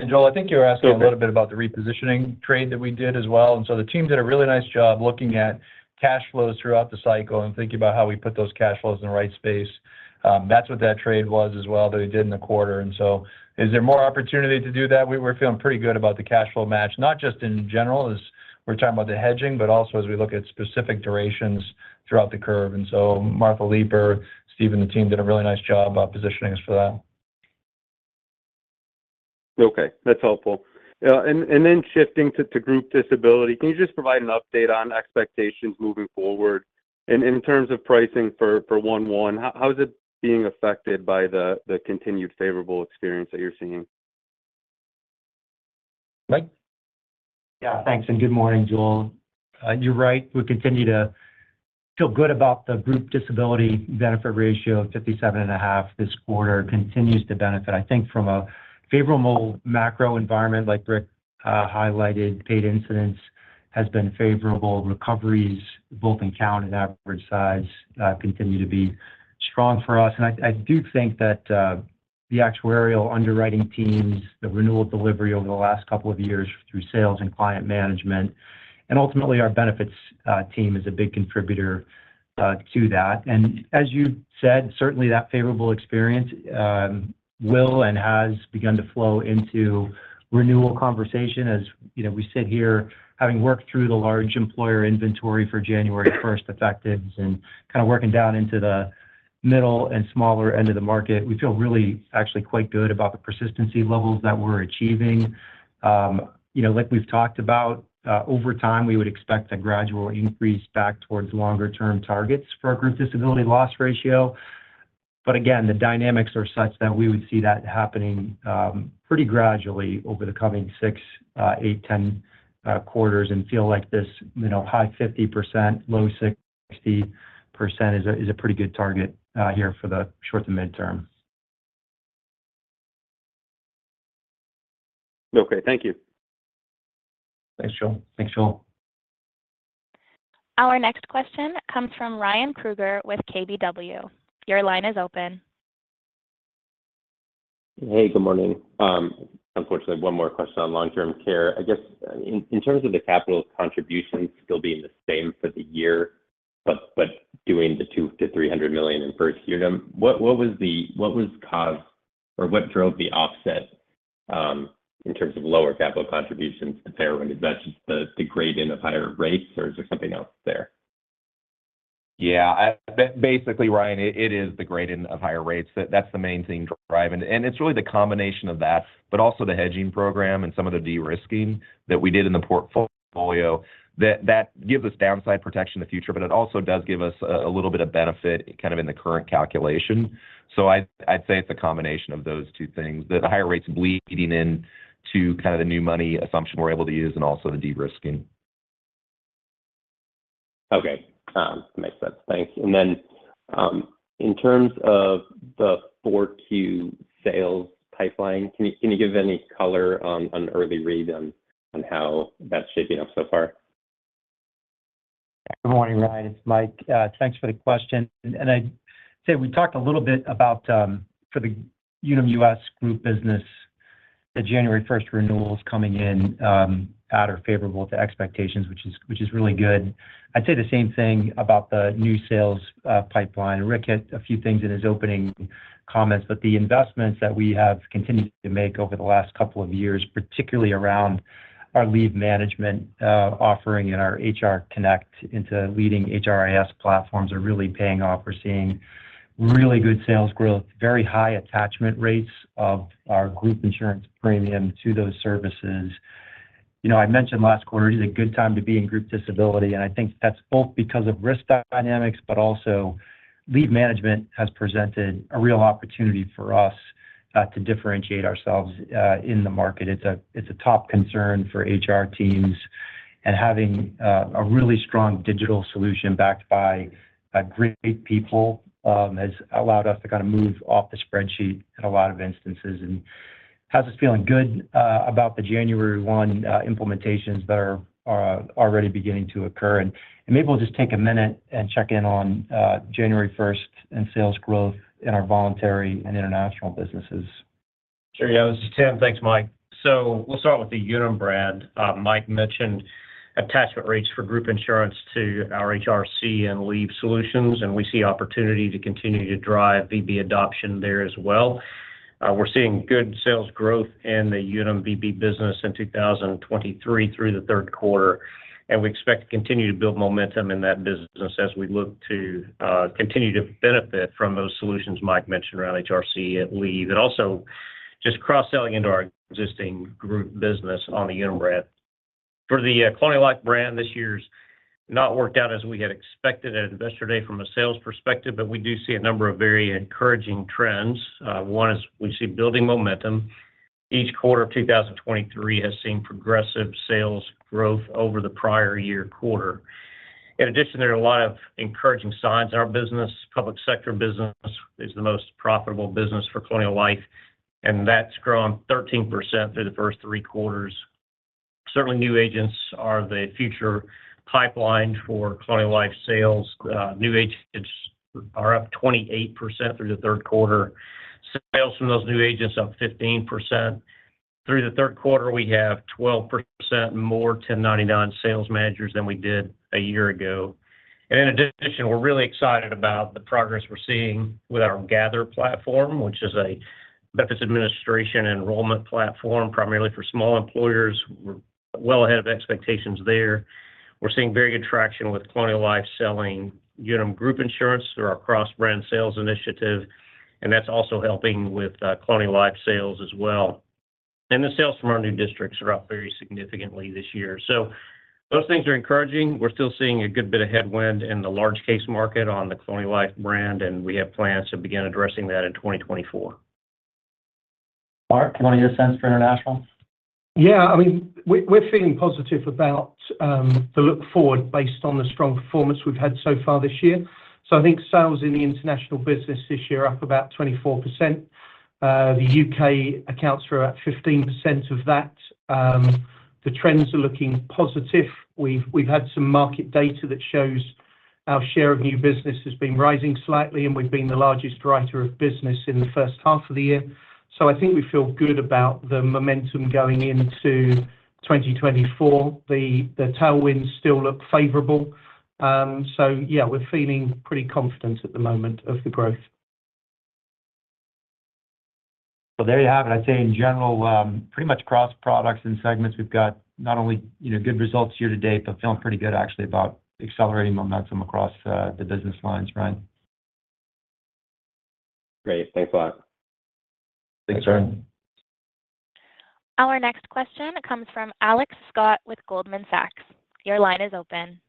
And Joel, I think you're asking a little bit about the repositioning trade that we did as well. And so the team did a really nice job looking at cash flows throughout the cycle and thinking about how we put those cash flows in the right space. That's what that trade was as well, that we did in the quarter. And so is there more opportunity to do that? We're feeling pretty good about the cash flow match, not just in general, as we're talking about the hedging, but also as we look at specific durations throughout the curve. And so Martha Leiper, Steve, and the team did a really nice job of positioning us for that. Okay, that's helpful. And then shifting to group disability, can you just provide an update on expectations moving forward? And in terms of pricing for one-one, how is it being affected by the continued favorable experience that you're seeing? Mike? Yeah, thanks, and good morning, Joel. You're right, we continue to feel good about the group disability benefit ratio of 57.5%. This quarter continues to benefit, I think, from a favorable macro environment like Rick highlighted. Paid incidents has been favorable. Recoveries, both in count and average size, continue to be strong for us. And I do think that the actuarial underwriting teams, the renewal delivery over the last couple of years through sales and client management, and ultimately our benefits team is a big contributor to that. And as you said, certainly that favorable experience will and has begun to flow into renewal conversation. As you know, we sit here having worked through the large employer inventory for January first affecteds, and kind of working down into the middle and smaller end of the market. We feel really actually quite good about the persistency levels that we're achieving. You know, like we've talked about, over time, we would expect a gradual increase back towards longer-term targets for our group disability loss ratio. But again, the dynamics are such that we would see that happening, pretty gradually over the coming 6, 8, 10 quarters, and feel like this, you know, high 50%, low 60% is a pretty good target, here for the short to midterm. Okay, thank you. Thanks, Joel. Thanks, Joel. Our next question comes from Ryan Krueger with KBW. Your line is open. Hey, good morning. Unfortunately, one more question on long-term care. I guess in terms of the capital contributions still being the same for the year, but doing the $200 million-$300 million in First Unum, what was the cause or what drove the offset in terms of lower capital contributions to Fairwind? Is that just the gradient of higher rates, or is there something else there? Yeah, basically, Ryan, it is the gradient of higher rates. That's the main thing driving. And it's really the combination of that, but also the hedging program and some of the de-risking that we did in the portfolio, that gives us downside protection in the future, but it also does give us a little bit of benefit kind of in the current calculation. So I'd say it's a combination of those two things. The higher rates bleeding in to kind of the new money assumption we're able to use, and also the de-risking. Okay. Makes sense. Thanks. And then, in terms of the 4Q sales pipeline, can you give any color on an early read on how that's shaping up so far? Good morning, Ryan, it's Mike. Thanks for the question. And I'd say we talked a little bit about, for the Unum U.S group business, the January first renewals coming in, at or favorable to expectations, which is, which is really good. I'd say the same thing about the new sales pipeline. Rick hit a few things in his opening comments, but the investments that we have continued to make over the last couple of years, particularly around our leave management offering and our HR Connect into leading HRIS platforms, are really paying off. We're seeing really good sales growth, very high attachment rates of our group insurance premium to those services. You know, I mentioned last quarter, it is a good time to be in group disability, and I think that's both because of risk dynamics, but also leave management has presented a real opportunity for us to differentiate ourselves in the market. It's a top concern for HR teams, and having a really strong digital solution backed by great people has allowed us to kind of move off the spreadsheet in a lot of instances and has us feeling good about the January 1 implementations that are already beginning to occur. And maybe we'll just take a minute and check in on January 1 and sales growth in our voluntary and international businesses. Sure, yeah, this is Tim. Thanks, Mike. So we'll start with the Unum brand. Mike mentioned attachment rates for group insurance to our HRC and Leave solutions, and we see opportunity to continue to drive VB adoption there as well. We're seeing good sales growth in the Unum VB business in 2023 through the third quarter, and we expect to continue to build momentum in that business as we look to continue to benefit from those solutions Mike mentioned around HRC and Leave, and also just cross-selling into our existing group business on the Unum brand. For the Colonial Life brand, this year's not worked out as we had expected at Investor Day from a sales perspective, but we do see a number of very encouraging trends. One is we see building momentum. Each quarter of 2023 has seen progressive sales growth over the prior year quarter. In addition, there are a lot of encouraging signs in our business. Public sector business is the most profitable business for Colonial Life, and that's grown 13% through the first three quarters. Certainly, new agents are the future pipeline for Colonial Life sales. New agents are up 28% through the third quarter. Sales from those new agents up 15%. Through the third quarter, we have 12% more 1099 sales managers than we did a year ago. In addition, we're really excited about the progress we're seeing with our Gathr platform, which is a benefits administration enrollment platform, primarily for small employers. We're well ahead of expectations there. We're seeing very good traction with Colonial Life selling Unum group insurance through our cross-brand sales initiative, and that's also helping with Colonial Life sales as well. The sales from our new districts are up very significantly this year. Those things are encouraging. We're still seeing a good bit of headwind in the large case market on the Colonial Life brand, and we have plans to begin addressing that in 2024. Mark, do you want to give your sense for international? Yeah, I mean, we're feeling positive about the look forward based on the strong performance we've had so far this year. So I think sales in the international business this year are up about 24%. The U.K accounts for about 15% of that. The trends are looking positive. We've had some market data that shows our share of new business has been rising slightly, and we've been the largest writer of business in the first half of the year. So I think we feel good about the momentum going into 2024. The tailwinds still look favorable. So yeah, we're feeling pretty confident at the moment of the growth. So there you have it. I'd say in general, pretty much cross products and segments, we've got not only, you know, good results here to date, but feeling pretty good actually about accelerating momentum across the business lines, Ryan. Great. Thanks a lot. Thanks, Ryan. Our next question comes from Alex Scott with Goldman Sachs. Your line is open.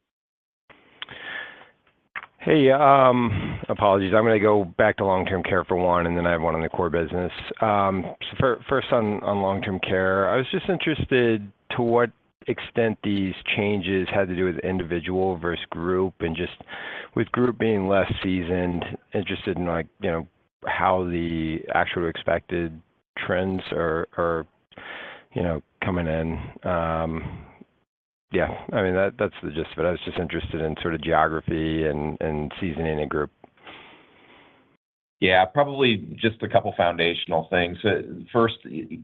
Hey, apologies. I'm going to go back to long-term care for one, and then I have one on the core business. First on long-term care, I was just interested to what extent these changes had to do with individual versus group, and just with group being less seasoned, interested in, like, you know, how the actual expected trends are, you know, coming in. Yeah, I mean, that's the gist of it. I was just interested in sort of geography and seasoning and group. Yeah, probably just a couple foundational things. So first,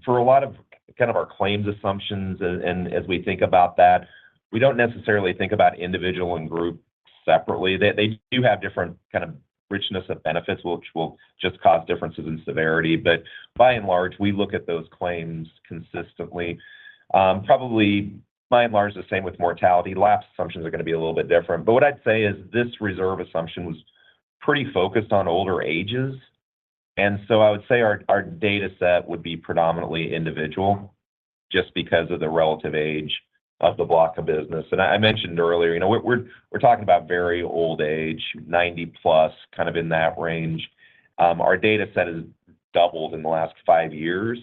for a lot of kind of our claims assumptions and, and as we think about that, we don't necessarily think about individual and group separately. They, they do have different kind of richness of benefits, which will just cause differences in severity. But by and large, we look at those claims consistently. Probably, by and large, the same with mortality. Lapse assumptions are going to be a little bit different, but what I'd say is this reserve assumption was pretty focused on older ages. And so I would say our, our data set would be predominantly individual just because of the relative age of the block of business. And I mentioned earlier, you know, we're, we're talking about very old age, 90+, kind of in that range. Our data set has doubled in the last five years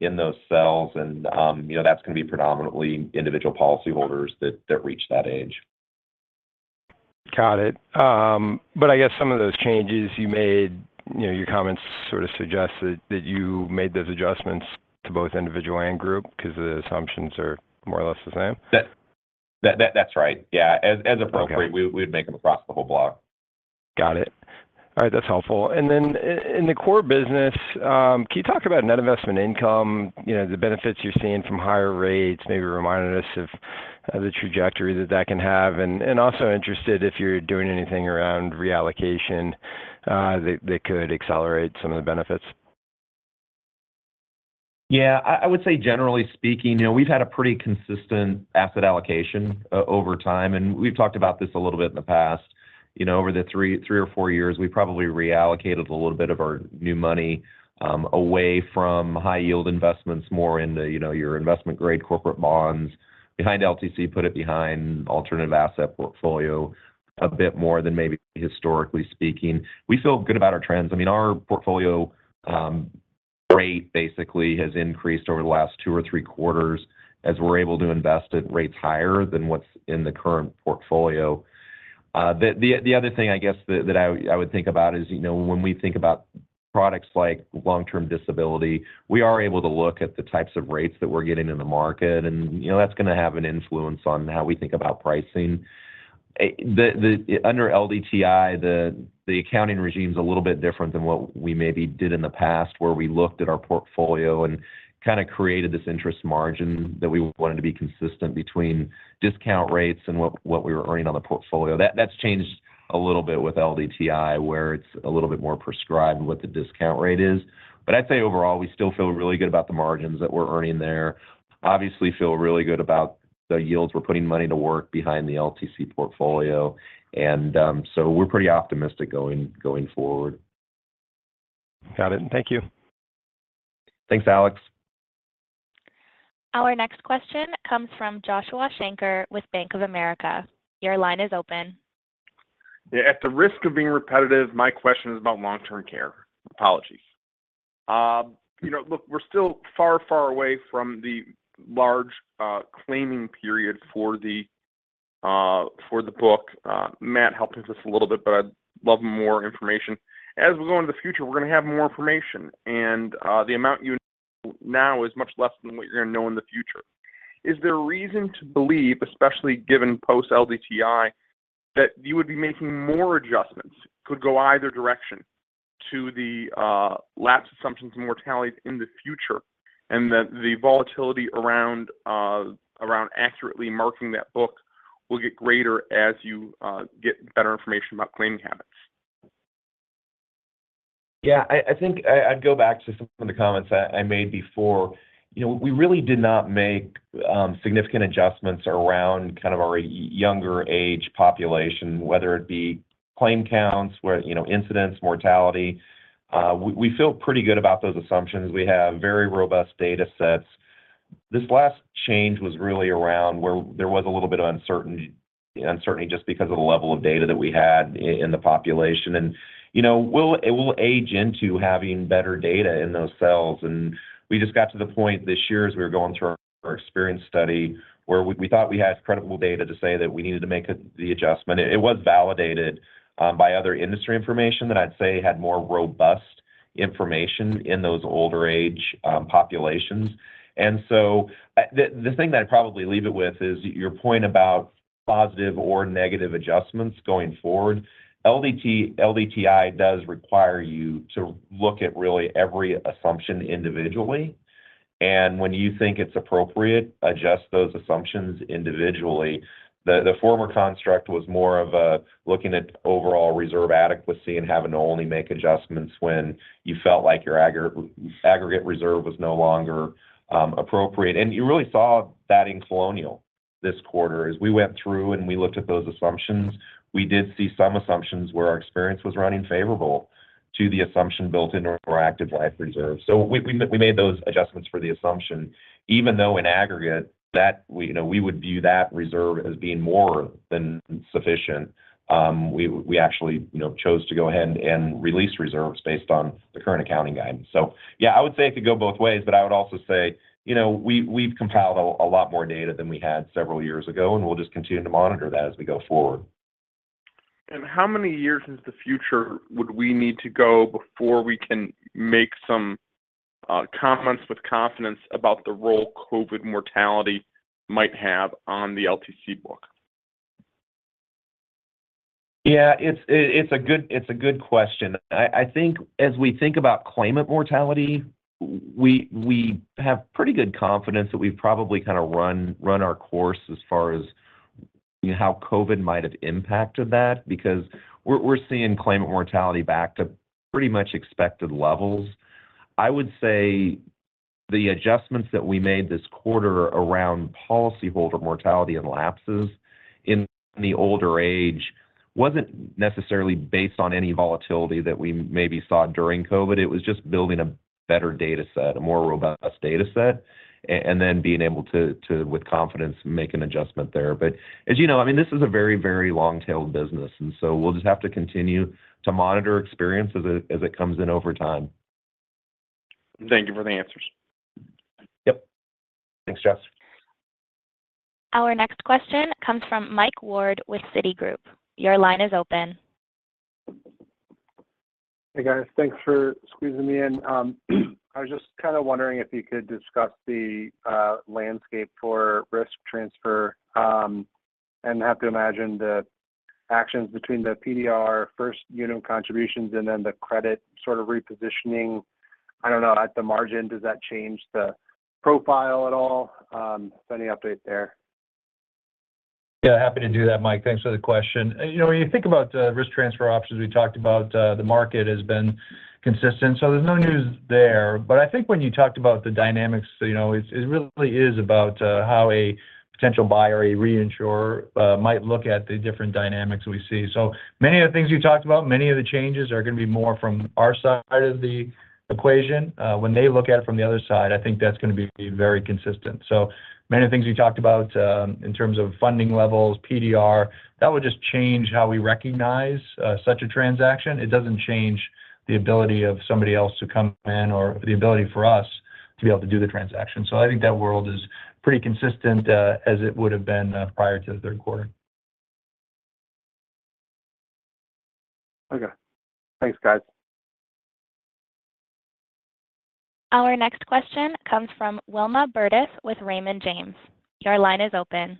in those cells, and, you know, that's going to be predominantly individual policyholders that reach that age. Got it. But I guess some of those changes you made, you know, your comments sort of suggest that you made those adjustments to both individual and group because the assumptions are more or less the same? That's right. Yeah. Okay. As appropriate, we'd make them across the whole block. Got it. All right, that's helpful. And then in the core business, can you talk about net investment income, you know, the benefits you're seeing from higher rates, maybe reminding us of the trajectory that that can have? And also interested if you're doing anything around reallocation, that could accelerate some of the benefits. Yeah, I would say generally speaking, you know, we've had a pretty consistent asset allocation over time, and we've talked about this a little bit in the past. You know, over the 3 or 4 years, we probably reallocated a little bit of our new money away from high yield investments, more into, you know, your investment-grade corporate bonds behind LTC, put it behind alternative asset portfolio a bit more than maybe historically speaking. We feel good about our trends. I mean, our portfolio rate basically has increased over the last 2 or 3 quarters as we're able to invest at rates higher than what's in the current portfolio. The other thing I guess that I would think about is, you know, when we think about products like long-term disability, we are able to look at the types of rates that we're getting in the market, and, you know, that's going to have an influence on how we think about pricing. Under LDTI, the accounting regime is a little bit different than what we maybe did in the past, where we looked at our portfolio and kinda created this interest margin that we wanted to be consistent between discount rates and what we were earning on the portfolio. That's changed a little bit with LDTI, where it's a little bit more prescribed what the discount rate is. But I'd say overall, we still feel really good about the margins that we're earning there. Obviously, feel really good about the yields. We're putting money to work behind the LTC portfolio, and so we're pretty optimistic going forward. Got it. Thank you. Thanks, Alex. Our next question comes from Joshua Shanker with Bank of America. Your line is open. Yeah, at the risk of being repetitive, my question is about long-term care. Apologies. You know, look, we're still far, far away from the large claiming period for the book. Matt helped us a little bit, but I'd love more information. As we go into the future, we're going to have more information, and the amount you know now is much less than what you're going to know in the future. Is there a reason to believe, especially given post-LDTI, that you would be making more adjustments, could go either direction, to the lapse assumptions and mortalities in the future, and that the volatility around around accurately marking that book will get greater as you get better information about claiming habits? Yeah, I think I'd go back to some of the comments I made before. You know, we really did not make significant adjustments around kind of our younger age population, whether it be claim counts, incidents, mortality. We feel pretty good about those assumptions. We have very robust data sets. This last change was really around where there was a little bit of uncertainty just because of the level of data that we had in the population. And, you know, it will age into having better data in those cells. And we just got to the point this year, as we were going through our experience study, where we thought we had credible data to say that we needed to make the adjustment. It was validated by other industry information that I'd say had more robust information in those older age populations. And so, the thing that I'd probably leave it with is your point about positive or negative adjustments going forward. LDTI does require you to look at really every assumption individually, and when you think it's appropriate, adjust those assumptions individually. The former construct was more of looking at overall reserve adequacy and having to only make adjustments when you felt like your aggregate reserve was no longer appropriate. And you really saw that in Colonial this quarter. As we went through and we looked at those assumptions, we did see some assumptions where our experience was running favorable to the assumption built into our active life reserve. So we made those adjustments for the assumption, even though in aggregate, that we, you know, would view that reserve as being more than sufficient, we actually, you know, chose to go ahead and release reserves based on the current accounting guidance. So yeah, I would say it could go both ways, but I would also say, you know, we've compiled a lot more data than we had several years ago, and we'll just continue to monitor that as we go forward.... How many years into the future would we need to go before we can make some comments with confidence about the role COVID mortality might have on the LTC book? Yeah, it's a good question. I think as we think about claimant mortality, we have pretty good confidence that we've probably kind of run our course as far as how COVID might have impacted that, because we're seeing claimant mortality back to pretty much expected levels. I would say the adjustments that we made this quarter around policyholder mortality and lapses in the older age wasn't necessarily based on any volatility that we maybe saw during COVID. It was just building a better data set, a more robust data set, and then being able to, with confidence, make an adjustment there. But as you know, I mean, this is a very, very long-tailed business, and so we'll just have to continue to monitor experience as it comes in over time. Thank you for the answers. Yep. Thanks, Josh. Our next question comes from Mike Ward with Citigroup. Your line is open. Hey, guys. Thanks for squeezing me in. I was just kind of wondering if you could discuss the landscape for risk transfer. And have to imagine the actions between the PDR, First Unum contributions and then the credit sort of repositioning. I don't know, at the margin, does that change the profile at all? Any update there? Yeah, happy to do that, Mike. Thanks for the question. You know, when you think about risk transfer options, we talked about the market has been consistent, so there's no news there. But I think when you talked about the dynamics, you know, it really is about how a potential buyer or a reinsurer might look at the different dynamics we see. So many of the things we talked about, many of the changes are going to be more from our side of the equation. When they look at it from the other side, I think that's going to be very consistent. So many of the things we talked about in terms of funding levels, PDR, that would just change how we recognize such a transaction. It doesn't change the ability of somebody else to come in or the ability for us to be able to do the transaction. So I think that world is pretty consistent, as it would have been, prior to the third quarter. Okay. Thanks, guys. Our next question comes from Wilma Burdis with Raymond James. Your line is open.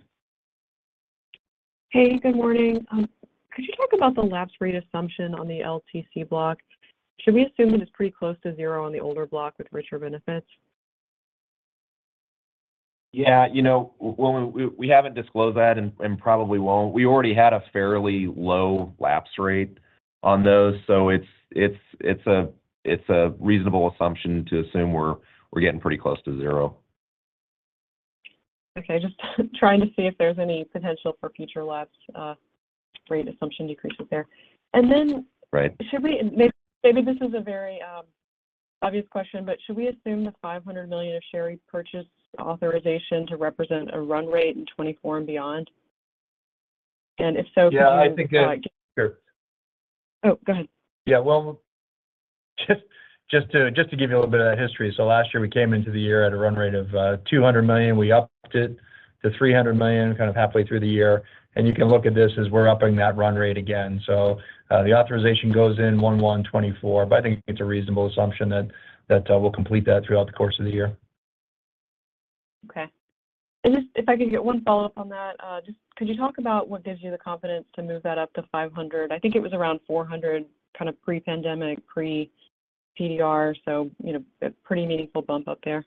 Hey, good morning. Could you talk about the lapse rate assumption on the LTC block? Should we assume it is pretty close to zero on the older block with richer benefits? Yeah, you know, well, we haven't disclosed that and probably won't. We already had a fairly low lapse rate on those, so it's a reasonable assumption to assume we're getting pretty close to zero. Okay, just trying to see if there's any potential for future lapse rate assumption decreases there. And then- Right. Should we—maybe, maybe this is a very obvious question, but should we assume the $500 million of share repurchase authorization to represent a run rate in 2024 and beyond? And if so, could you- Yeah, I think, sure. Oh, go ahead. Yeah, well, just to give you a little bit of that history. So last year, we came into the year at a run rate of $200 million. We upped it to $300 million kind of halfway through the year, and you can look at this as we're upping that run rate again. So, the authorization goes in 1/1/2024, but I think it's a reasonable assumption that we'll complete that throughout the course of the year. Okay. And just if I could get one follow-up on that. Just could you talk about what gives you the confidence to move that up to $500? I think it was around $400, kind of pre-pandemic, pre-PDR, so you know, a pretty meaningful bump up there.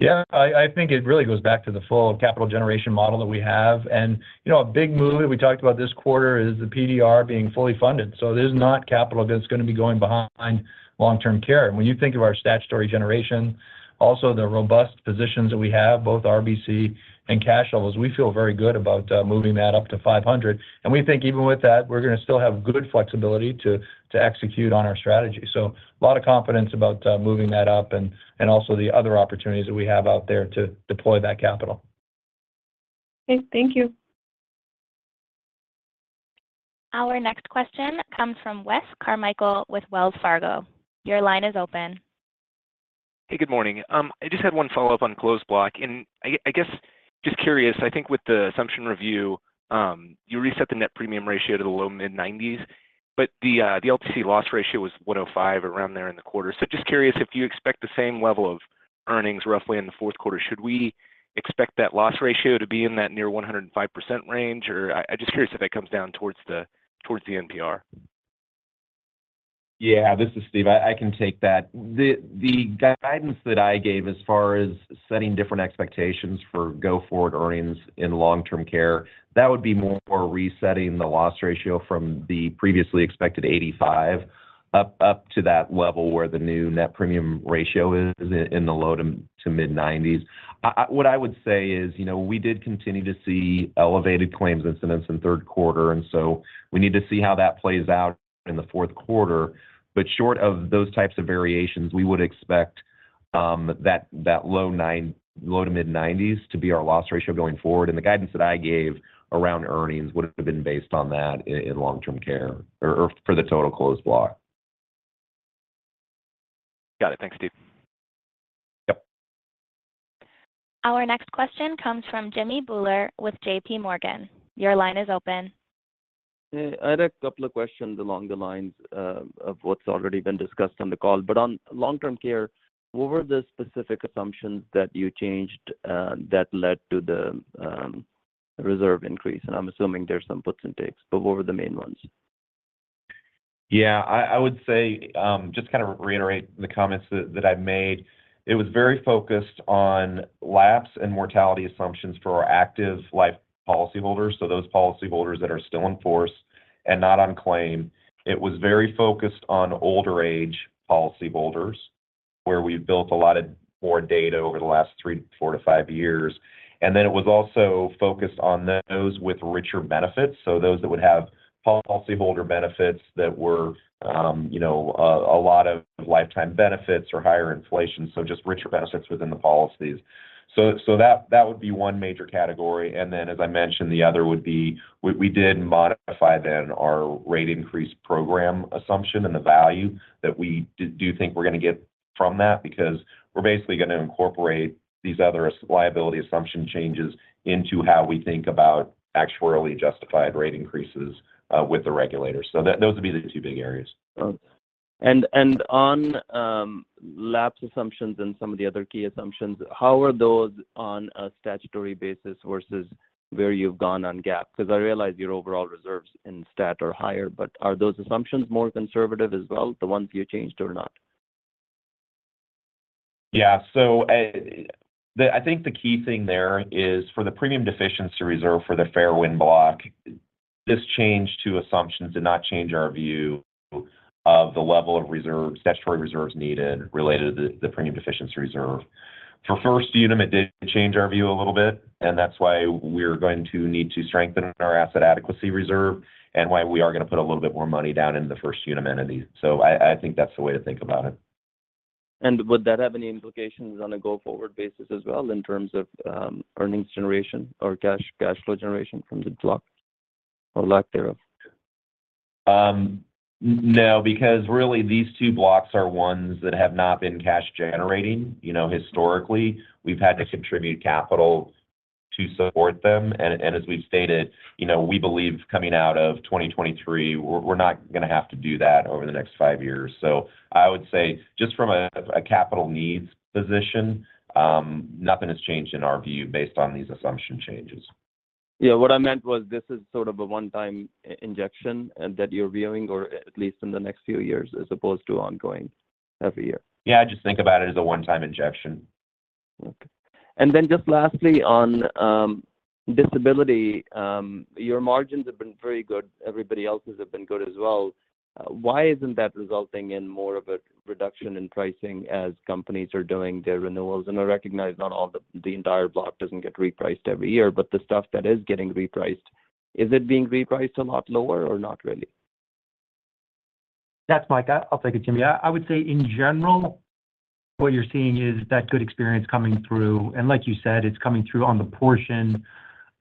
Yeah, I think it really goes back to the full capital generation model that we have. And, you know, a big movement we talked about this quarter is the PDR being fully funded. So there's not capital that's going to be going behind long-term care. When you think of our statutory generation, also the robust positions that we have, both RBC and cash levels, we feel very good about moving that up to 500. And we think even with that, we're going to still have good flexibility to execute on our strategy. So a lot of confidence about moving that up and also the other opportunities that we have out there to deploy that capital. Okay, thank you. Our next question comes from Wes Carmichael with Wells Fargo. Your line is open. Hey, good morning. I just had one follow-up on closed block, and I guess, just curious, I think with the assumption review, you reset the net premium ratio to the low mid-90s, but the LTC loss ratio was 105 around there in the quarter. So just curious if you expect the same level of earnings roughly in the fourth quarter. Should we expect that loss ratio to be in that near 105% range? Or I'm just curious if that comes down towards the NPR. Yeah, this is Steve. I can take that. The guidance that I gave as far as setting different expectations for go-forward earnings in long-term care, that would be more resetting the loss ratio from the previously expected 85 up to that level where the new net premium ratio is in the low- to mid-90s. What I would say is, you know, we did continue to see elevated claims incidents in the third quarter, and so we need to see how that plays out in the fourth quarter. But short of those types of variations, we would expect that low- to mid-90s to be our loss ratio going forward. And the guidance that I gave around earnings would have been based on that in long-term care or for the total closed block. Got it. Thanks, Steve.... Our next question comes from Jimmy Bhullar with JP Morgan. Your line is open. Hey, I had a couple of questions along the lines of what's already been discussed on the call. But on long-term care, what were the specific assumptions that you changed that led to the reserve increase? And I'm assuming there's some puts and takes, but what were the main ones? Yeah, I would say just to kind of reiterate the comments that I've made. It was very focused on lapse and mortality assumptions for our active life policyholders, so those policyholders that are still in force and not on claim. It was very focused on older age policyholders, where we've built a lot of more data over the last 3-5 years. Then it was also focused on those with richer benefits, so those that would have policyholder benefits that were, you know, a lot of lifetime benefits or higher inflation, so just richer benefits within the policies. So that would be one major category, and then, as I mentioned, the other would be we did modify our rate increase program assumption and the value that we do think we're going to get from that because we're basically going to incorporate these other liability assumption changes into how we think about actuarially justified rate increases with the regulators. So those would be the two big areas. And on lapse assumptions and some of the other key assumptions, how are those on a statutory basis versus where you've gone on GAAP? Because I realize your overall reserves in stat are higher, but are those assumptions more conservative as well, the ones you changed or not? Yeah. So, I think the key thing there is for the premium deficiency reserve, for the Fairwind block, this change to assumptions did not change our view of the level of reserves, statutory reserves needed related to the premium deficiency reserve. For First Unum, it did change our view a little bit, and that's why we're going to need to strengthen our asset adequacy reserve and why we are going to put a little bit more money down in the First Unum entity. So I think that's the way to think about it. And would that have any implications on a go-forward basis as well, in terms of earnings generation or cash flow generation from the block or lack thereof? No, because really, these two blocks are ones that have not been cash generating. You know, historically, we've had to contribute capital to support them, and, and as we've stated, you know, we believe coming out of 2023, we're, we're not going to have to do that over the next five years. So I would say just from a, a capital needs position, nothing has changed in our view based on these assumption changes. Yeah, what I meant was this is sort of a one-time injection, and that you're viewing, or at least in the next few years, as opposed to ongoing every year. Yeah, just think about it as a one-time injection. Okay. Then just lastly, on disability, your margins have been very good. Everybody else's have been good as well. Why isn't that resulting in more of a reduction in pricing as companies are doing their renewals? And I recognize not all the entire block doesn't get repriced every year, but the stuff that is getting repriced, is it being repriced a lot lower or not really? That's Mike. I'll take it, Jimmy. I would say in general, what you're seeing is that good experience coming through, and like you said, it's coming through on the portion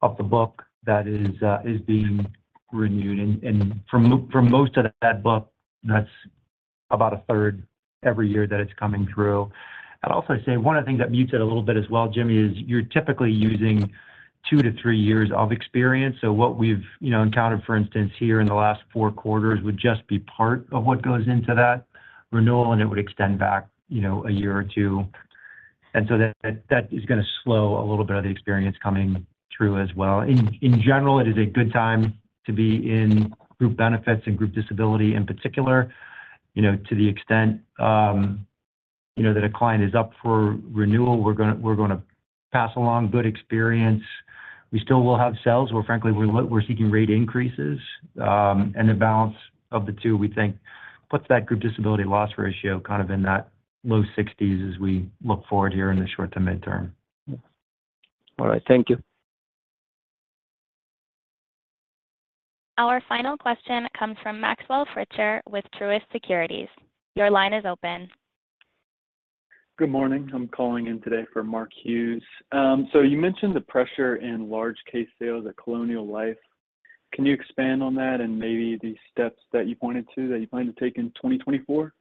of the book that is being renewed. And from most of that book, that's about a third every year that it's coming through. I'd also say one of the things that mutes it a little bit as well, Jimmy, is you're typically using 2-3 years of experience. So what we've, you know, encountered, for instance, here in the last 4 quarters, would just be part of what goes into that renewal, and it would extend back, you know, a year or 2. And so that is going to slow a little bit of the experience coming through as well. In general, it is a good time to be in group benefits and group disability. In particular, you know, to the extent, you know, that a client is up for renewal, we're gonna pass along good experience. We still will have sales where, frankly, we're seeking rate increases. And the balance of the two, we think, puts that group disability loss ratio kind of in that low sixties as we look forward here in the short to midterm. All right. Thank you. Our final question comes from Maxwell Fritscher with Truist Securities. Your line is open. Good morning. I'm calling in today for Mark Hughes. You mentioned the pressure in large case sales at Colonial Life. Can you expand on that and maybe the steps that you pointed to, that you plan to take in 2024?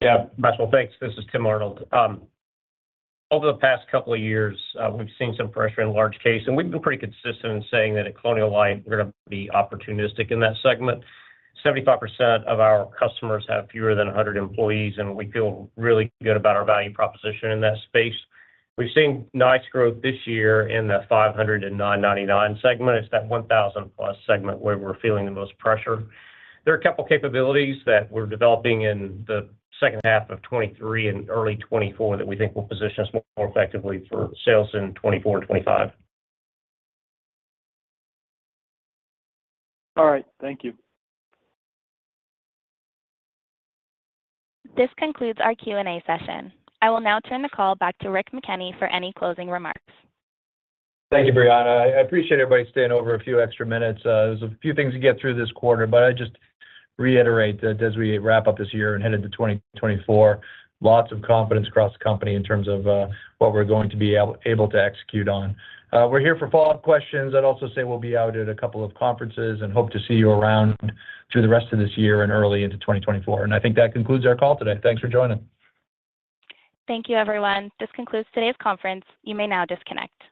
Yeah. Maxwell, thanks. This is Tim Arnold. Over the past couple of years, we've seen some pressure in large case, and we've been pretty consistent in saying that at Colonial Life, we're going to be opportunistic in that segment. 75% of our customers have fewer than 100 employees, and we feel really good about our value proposition in that space. We've seen nice growth this year in the 500-999 segment. It's that 1,000+ segment where we're feeling the most pressure. There are a couple capabilities that we're developing in the second half of 2023 and early 2024 that we think will position us more effectively for sales in 2024, 2025. All right. Thank you. This concludes our Q&A session. I will now turn the call back to Rick McKenney for any closing remarks. Thank you, Brianna. I appreciate everybody staying over a few extra minutes. There's a few things to get through this quarter, but I just reiterate that as we wrap up this year and head into 2024, lots of confidence across the company in terms of what we're going to be able to execute on. We're here for follow-up questions. I'd also say we'll be out at a couple of conferences and hope to see you around through the rest of this year and early into 2024. And I think that concludes our call today. Thanks for joining. Thank you, everyone. This concludes today's conference. You may now disconnect.